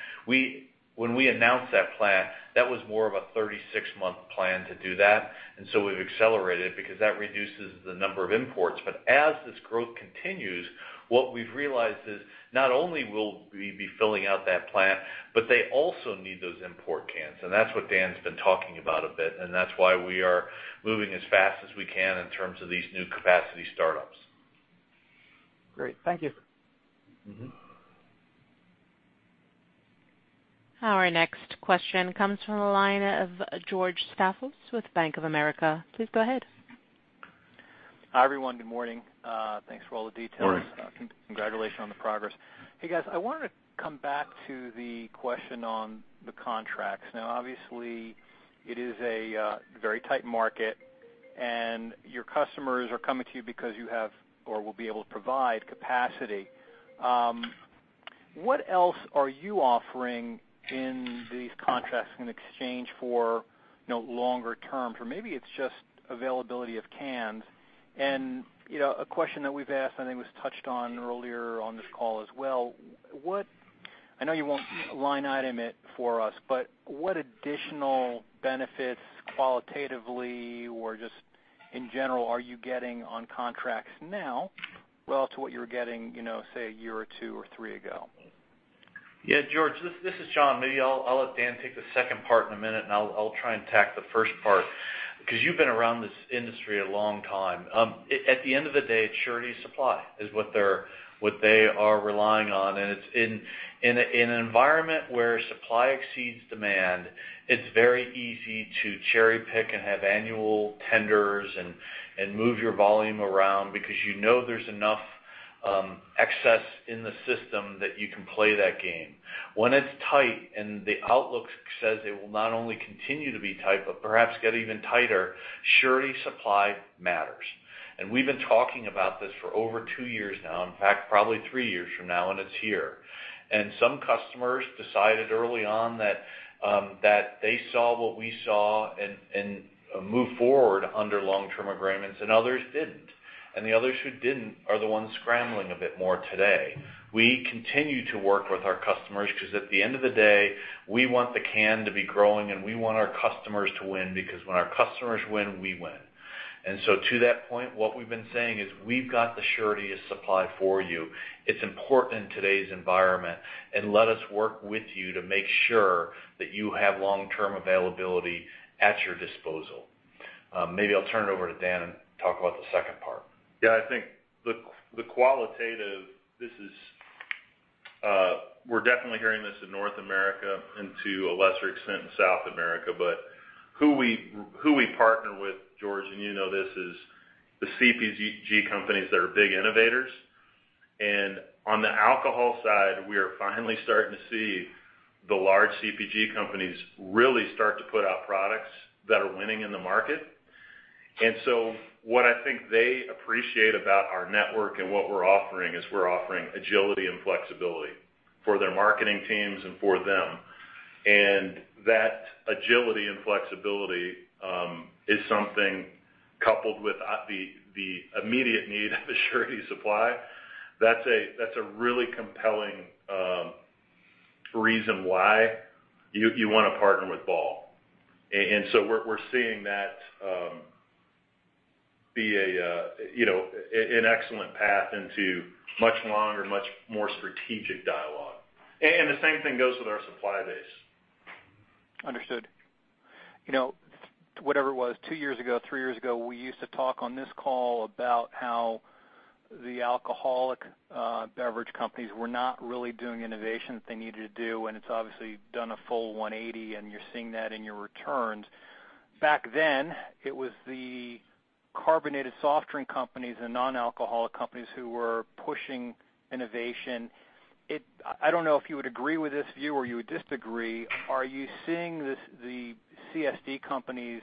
When we announced that plant, that was more of a 36-month plan to do that, and so we've accelerated it because that reduces the number of imports. As this growth continues, what we've realized is not only will we be filling out that plant, but they also need those import cans. That's what Dan's been talking about a bit, and that's why we are moving as fast as we can in terms of these new capacity startups. Great. Thank you. Our next question comes from the line of George Staphos with Bank of America. Please go ahead. Hi, everyone. Good morning. Thanks for all the details. Morning. Congratulations on the progress. Hey, guys, I wanted to come back to the question on the contracts. Obviously, it is a very tight market, and your customers are coming to you because you have or will be able to provide capacity. What else are you offering in these contracts in exchange for longer terms? Maybe it's just availability of cans. A question that we've asked, and it was touched on earlier on this call as well, I know you won't line item it for us, but what additional benefits qualitatively or just in general are you getting on contracts now relative to what you were getting, say, a year or two or three ago? Yeah, George, this is John. Maybe I'll let Dan take the second part in a minute, and I'll try and tack the first part. You've been around this industry a long time. At the end of the day, surety of supply is what they are relying on. In an environment where supply exceeds demand, it's very easy to cherry-pick and have annual tenders, and move your volume around because you know there's enough excess in the system that you can play that game. When it's tight and the outlook says it will not only continue to be tight, but perhaps get even tighter, surety of supply matters. We've been talking about this for over two years now. In fact, probably three years from now, and it's here. Some customers decided early on that they saw what we saw and moved forward under long-term agreements, and others didn't. The others who didn't are the ones scrambling a bit more today. We continue to work with our customers because at the end of the day, we want the can to be growing, and we want our customers to win because when our customers win, we win. To that point, what we've been saying is we've got the surety of supply for you. It's important in today's environment, and let us work with you to make sure that you have long-term availability at your disposal. Maybe I'll turn it over to Dan and talk about the second part. Yeah, I think the qualitative, we're definitely hearing this in North America and to a lesser extent, in South America, but who we partner with, George, you know this, is the CPG companies that are big innovators. On the alcohol side, we are finally starting to see the large CPG companies really start to put out products that are winning in the market. What I think they appreciate about our network and what we're offering is we're offering agility and flexibility for their marketing teams and for them. That agility and flexibility is something coupled with the immediate need of surety supply. That's a really compelling reason why you want to partner with Ball. We're seeing that be an excellent path into much longer, much more strategic dialogue. The same thing goes with our supply base. Understood. Whatever it was, two years ago, three years ago, we used to talk on this call about how the alcoholic beverage companies were not really doing innovation that they needed to do, and it's obviously done a full 180, and you're seeing that in your returns. Back then, it was the carbonated soft drink companies and non-alcoholic companies who were pushing innovation. I don't know if you would agree with this view or you would disagree. Are you seeing the CSD companies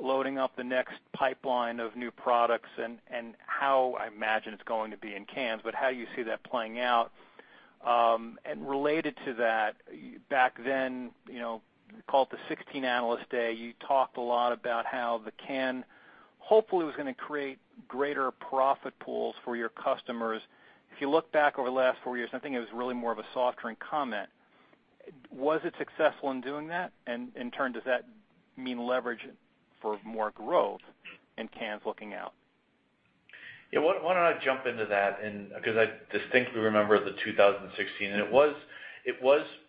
loading up the next pipeline of new products and how, I imagine it's going to be in cans, but how you see that playing out? Related to that, back then, call it the 2016 Analyst Day, you talked a lot about how the can, hopefully, was going to create greater profit pools for your customers. If you look back over the last four years, I think it was really more of a soft drink comment. Was it successful in doing that? In turn, does that mean leverage for more growth in cans looking out? Why don't I jump into that because I distinctly remember the 2016, and it was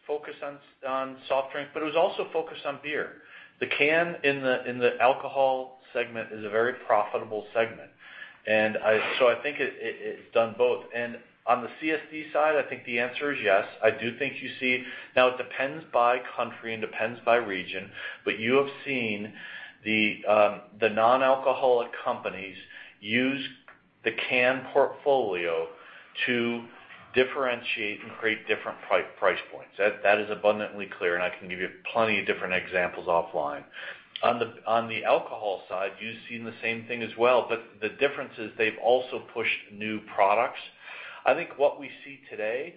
focused on soft drink, but it was also focused on beer. The can in the alcohol segment is a very profitable segment. I think it's done both. On the CSD side, I think the answer is yes. I do think you see. Now it depends by country and depends by region, but you have seen the non-alcoholic companies use the can portfolio to differentiate and create different price points. That is abundantly clear, and I can give you plenty of different examples offline. On the alcohol side, you've seen the same thing as well, but the difference is they've also pushed new products. I think what we see today,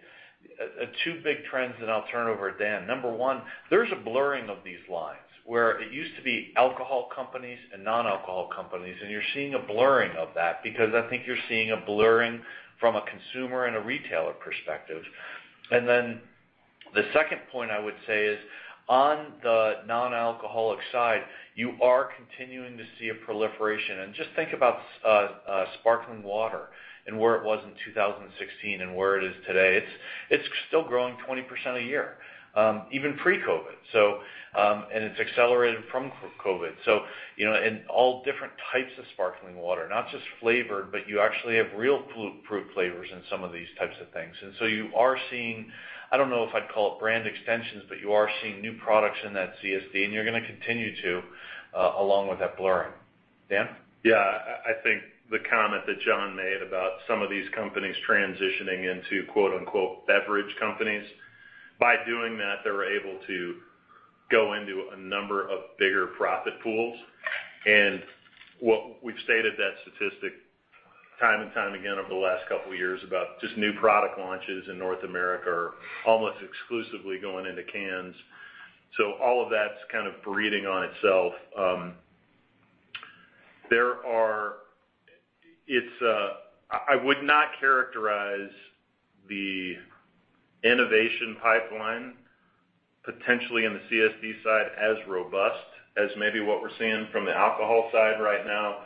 two big trends, and I'll turn it over to Dan. Number one, there's a blurring of these lines where it used to be alcohol companies and non-alcohol companies. You're seeing a blurring of that because I think you're seeing a blurring from a consumer and a retailer perspective. The second point I would say is on the non-alcoholic side, you are continuing to see a proliferation. Just think about sparkling water and where it was in 2016 and where it is today. It's still growing 20% a year, even pre-COVID. It's accelerated from COVID. All different types of sparkling water, not just flavored, but you actually have real fruit flavors in some of these types of things. So you are seeing, I don't know if I'd call it brand extensions, but you are seeing new products in that CSD, and you're going to continue to, along with that blurring. Dan? Yeah. I think the comment that John made about some of these companies transitioning into "beverage companies," by doing that, they were able to go into a number of bigger profit pools. We've stated that statistic time and time again over the last couple of years about just new product launches in North America are almost exclusively going into cans. All of that's kind of breeding on itself. I would not characterize the innovation pipeline potentially in the CSD side as robust as maybe what we're seeing from the alcohol side right now.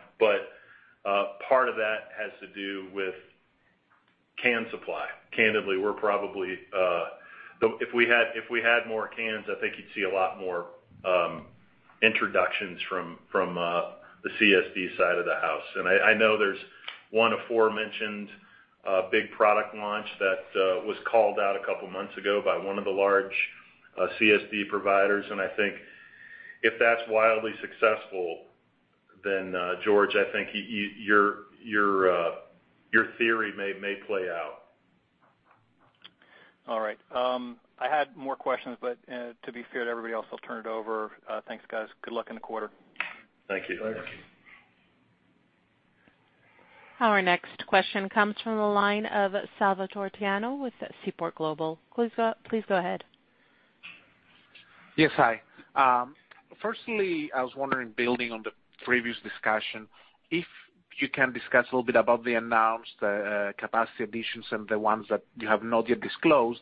Part of that has to do with can supply. Candidly, if we had more cans, I think you'd see a lot more introductions from the CSD side of the house. I know there's one aforementioned big product launch that was called out a couple of months ago by one of the large CSD providers, and I think if that's wildly successful, then George, I think your theory may play out. All right. I had more questions, but to be fair to everybody else, I'll turn it over. Thanks, guys. Good luck in the quarter. Thank you. Thank you. Our next question comes from the line of Salvator Tiano with Seaport Global. Please go ahead. Yes. Hi. Firstly, I was wondering, building on the previous discussion, if you can discuss a little bit about the announced capacity additions and the ones that you have not yet disclosed.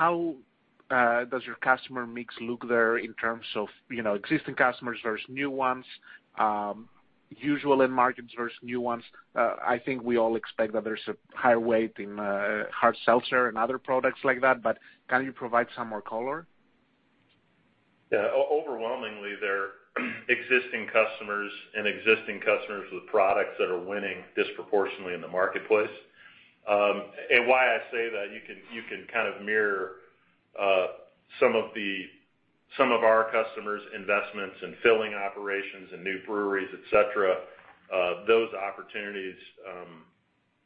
How does your customer mix look there in terms of existing customers versus new ones, usual end markets versus new ones? I think we all expect that there's a high weight in hard seltzer and other products like that, but can you provide some more color? Yeah. Overwhelmingly, they're existing customers and existing customers with products that are winning disproportionately in the marketplace. Why I say that, you can kind of mirror some of our customers' investments in filling operations and new breweries, et cetera. Those opportunities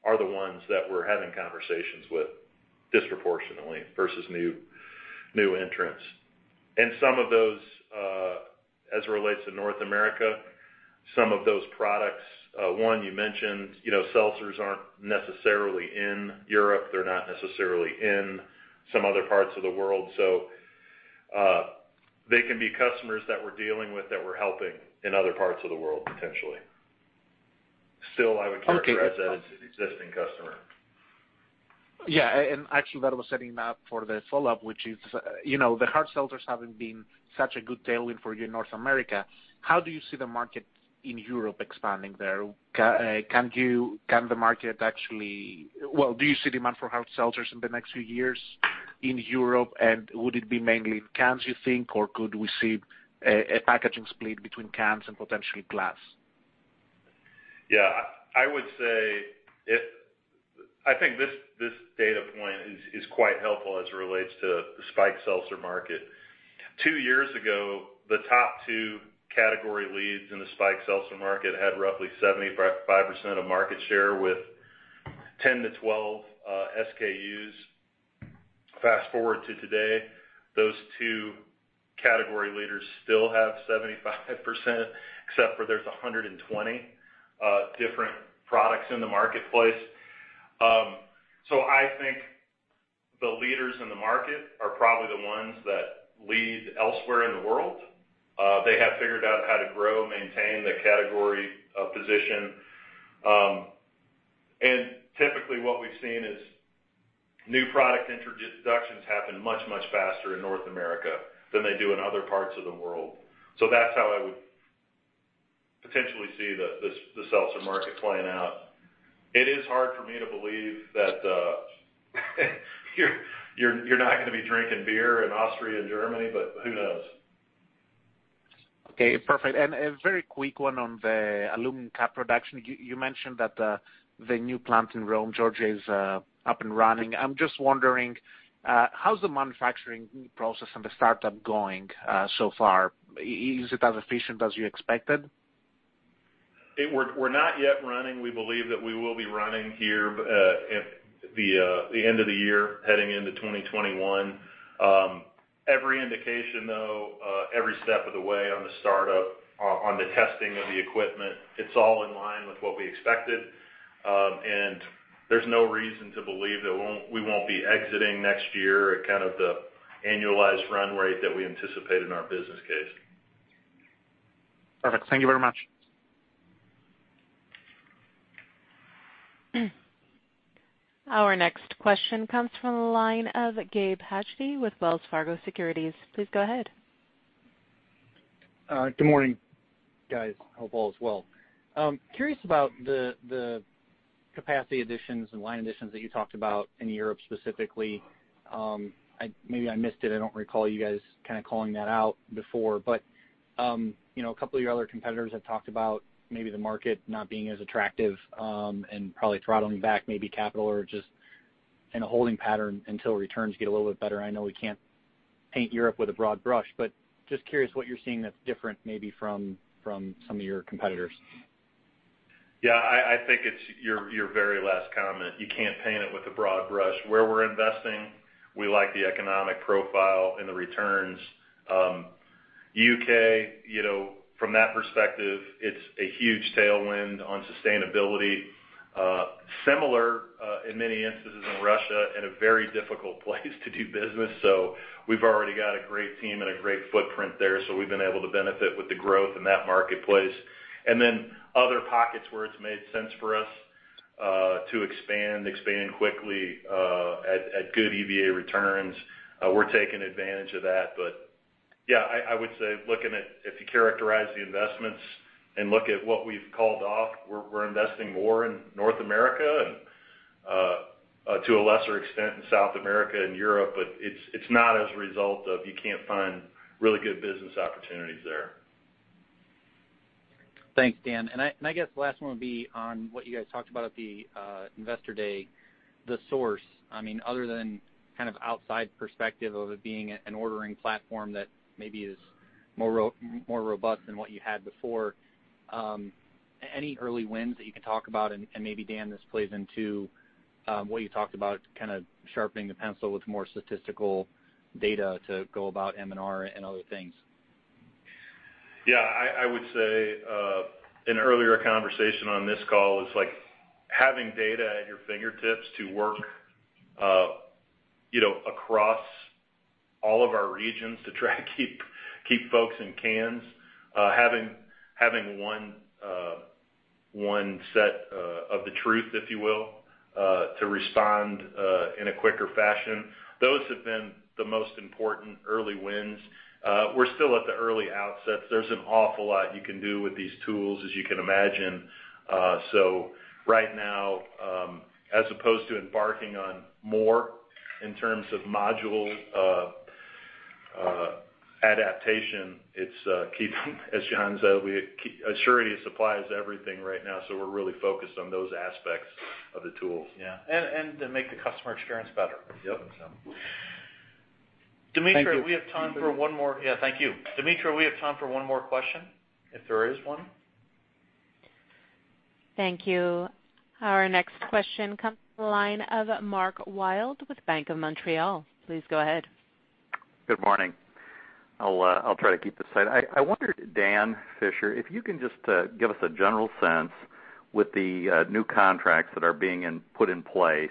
are the ones that we're having conversations with disproportionately versus new entrants. Some of those, as it relates to North America, some of those products, one you mentioned, seltzers aren't necessarily in Europe, they're not necessarily in some other parts of the world. They can be customers that we're dealing with that we're helping in other parts of the world, potentially. Still, I would characterize that as an existing customer. Yeah. Actually, that was setting up for the follow-up, which is, the hard seltzers having been such a good tailwind for you in North America, how do you see the market in Europe expanding there? Do you see demand for hard seltzers in the next few years in Europe? Would it be mainly cans you think, or could we see a packaging split between cans and potentially glass? Yeah. I think this data point is quite helpful as it relates to the spiked seltzer market. Two years ago, the top 2 category leads in the spiked seltzer market had roughly 75% of market share with 10 to 12 SKUs. Fast-forward to today, those 2 category leaders still have 75%, except for there's 120 different products in the marketplace. I think the leaders in the market are probably the ones that lead elsewhere in the world. They have figured out how to grow, maintain their category of position. Typically, what we've seen is new product introductions happen much, much faster in North America than they do in other parts of the world. That's how I would potentially see the seltzer market playing out. It is hard for me to believe that you're not going to be drinking beer in Austria and Germany, but who knows? Okay. Perfect. A very quick one on the aluminum cup production. You mentioned that the new plant in Rome, Georgia is up and running. I'm just wondering, how's the manufacturing process and the startup going so far? Is it as efficient as you expected? We're not yet running. We believe that we will be running here at the end of the year heading into 2021. Every indication, though, every step of the way on the startup, on the testing of the equipment, it's all in line with what we expected. There's no reason to believe that we won't be exiting next year at kind of the annualized run rate that we anticipate in our business case. Perfect. Thank you very much. Our next question comes from the line of Gabe Hajde with Wells Fargo Securities. Please go ahead. Good morning, guys. Hope all is well. Curious about the capacity additions and line additions that you talked about in Europe specifically. Maybe I missed it, I don't recall you guys kind of calling that out before, but a couple of your other competitors have talked about maybe the market not being as attractive, and probably throttling back maybe capital or just in a holding pattern until returns get a little bit better. I know we can't paint Europe with a broad brush, but just curious what you're seeing that's different maybe from some of your competitors. Yeah, I think it's your very last comment. You can't paint it with a broad brush. Where we're investing, we like the economic profile and the returns. U.K., from that perspective, it's a huge tailwind on sustainability. Similar, in many instances in Russia, and a very difficult place to do business. We've already got a great team and a great footprint there, so we've been able to benefit with the growth in that marketplace. Other pockets where it's made sense for us to expand quickly at good EVA returns, we're taking advantage of that. Yeah, I would say looking at if you characterize the investments and look at what we've called off, we're investing more in North America and to a lesser extent, in South America and Europe. It's not as a result of you can't find really good business opportunities there. Thanks, Dan. I guess the last one would be on what you guys talked about at the Investor Day, The Source. Other than kind of outside perspective of it being an ordering platform that maybe is more robust than what you had before, any early wins that you can talk about? Maybe, Dan, this plays into what you talked about, kind of sharpening the pencil with more statistical data to go about M&R and other things. Yeah. I would say, in earlier conversation on this call is like having data at your fingertips to work across all of our regions to try to keep folks in cans. Having one set of the truth, if you will, to respond, in a quicker fashion. Those have been the most important early wins. We're still at the early outset. There's an awful lot you can do with these tools, as you can imagine. Right now, as opposed to embarking on more in terms of module adaptation, it's keeping, as John said, surety of supply everything right now, so we're really focused on those aspects of the tools. Yeah. To make the customer experience better. Yep. Demetria, we have time for one more. Yeah, thank you. Demetria, we have time for one more question, if there is one. Thank you. Our next question comes from the line of Mark Wilde with Bank of Montreal. Please go ahead. Good morning. I'll try to keep it tight. I wondered, Dan Fisher, if you can just give us a general sense with the new contracts that are being put in place,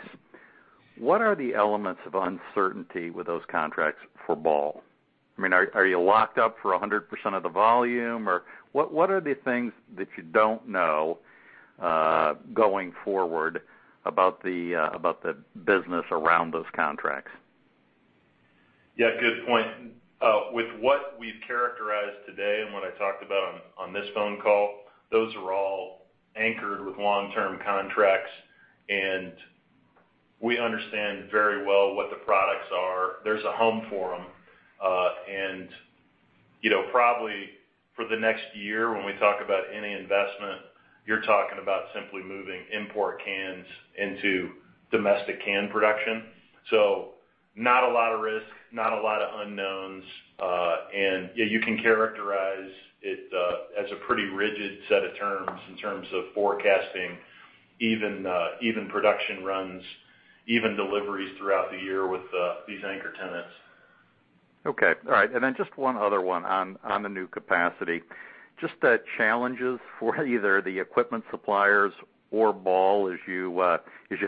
what are the elements of uncertainty with those contracts for Ball? Are you locked up for 100% of the volume? What are the things that you don't know, going forward, about the business around those contracts? Yeah, good point. With what we've characterized today and what I talked about on this phone call, those are all anchored with long-term contracts, and we understand very well what the products are. There's a home for them. Probably for the next year, when we talk about any investment, you're talking about simply moving import cans into domestic can production. Not a lot of risk, not a lot of unknowns. Yeah, you can characterize it as a pretty rigid set of terms in terms of forecasting even production runs, even deliveries throughout the year with these anchor tenants. Okay. All right. Just one other one on the new capacity. Just the challenges for either the equipment suppliers or Ball as you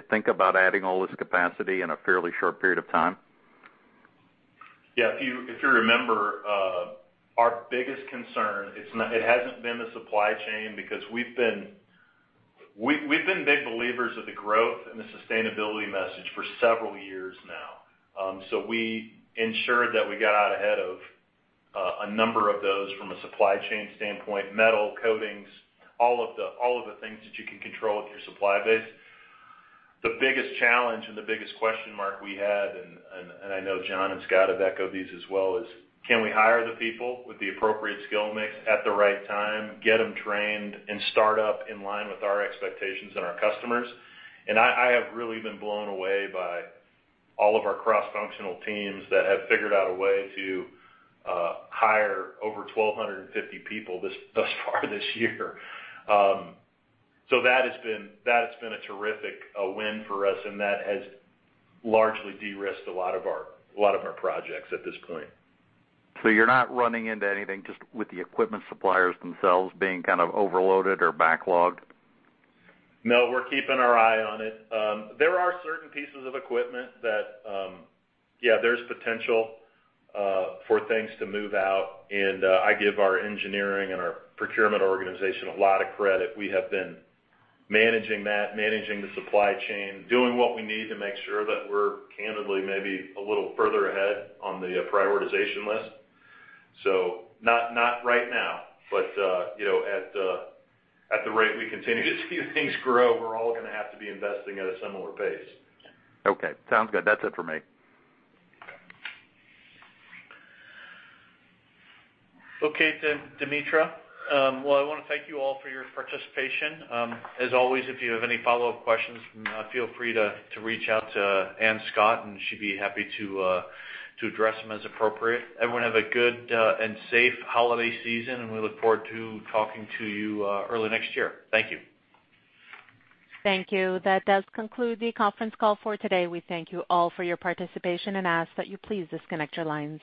think about adding all this capacity in a fairly short period of time. Yeah. If you remember, our biggest concern, it hasn't been the supply chain because we've been big believers of the growth and the sustainability message for several years now. We ensured that we got out ahead of a number of those from a supply chain standpoint, metal coatings, all of the things that you can control with your supply base. The biggest challenge and the biggest question mark we had, and I know John and Scott have echoed these as well, is can we hire the people with the appropriate skill mix at the right time, get them trained, and start up in line with our expectations and our customers? I have really been blown away by all of our cross-functional teams that have figured out a way to hire over 1,250 people thus far this year. That has been a terrific win for us, and that has largely de-risked a lot of our projects at this point. You're not running into anything just with the equipment suppliers themselves being kind of overloaded or backlogged? No, we're keeping our eye on it. There are certain pieces of equipment that, yeah, there's potential for things to move out, and I give our engineering and our procurement organization a lot of credit. We have been managing that, managing the supply chain, doing what we need to make sure that we're candidly maybe a little further ahead on the prioritization list. Not right now, but at the rate we continue to see things grow, we're all going to have to be investing at a similar pace. Okay. Sounds good. That's it for me. Okay. Demetria. Well, I want to thank you all for your participation. As always, if you have any follow-up questions, feel free to reach out to Ann Scott, and she'd be happy to address them as appropriate. Everyone have a good and safe holiday season, and we look forward to talking to you early next year. Thank you. Thank you. That does conclude the conference call for today. We thank you all for your participation and ask that you please disconnect your lines.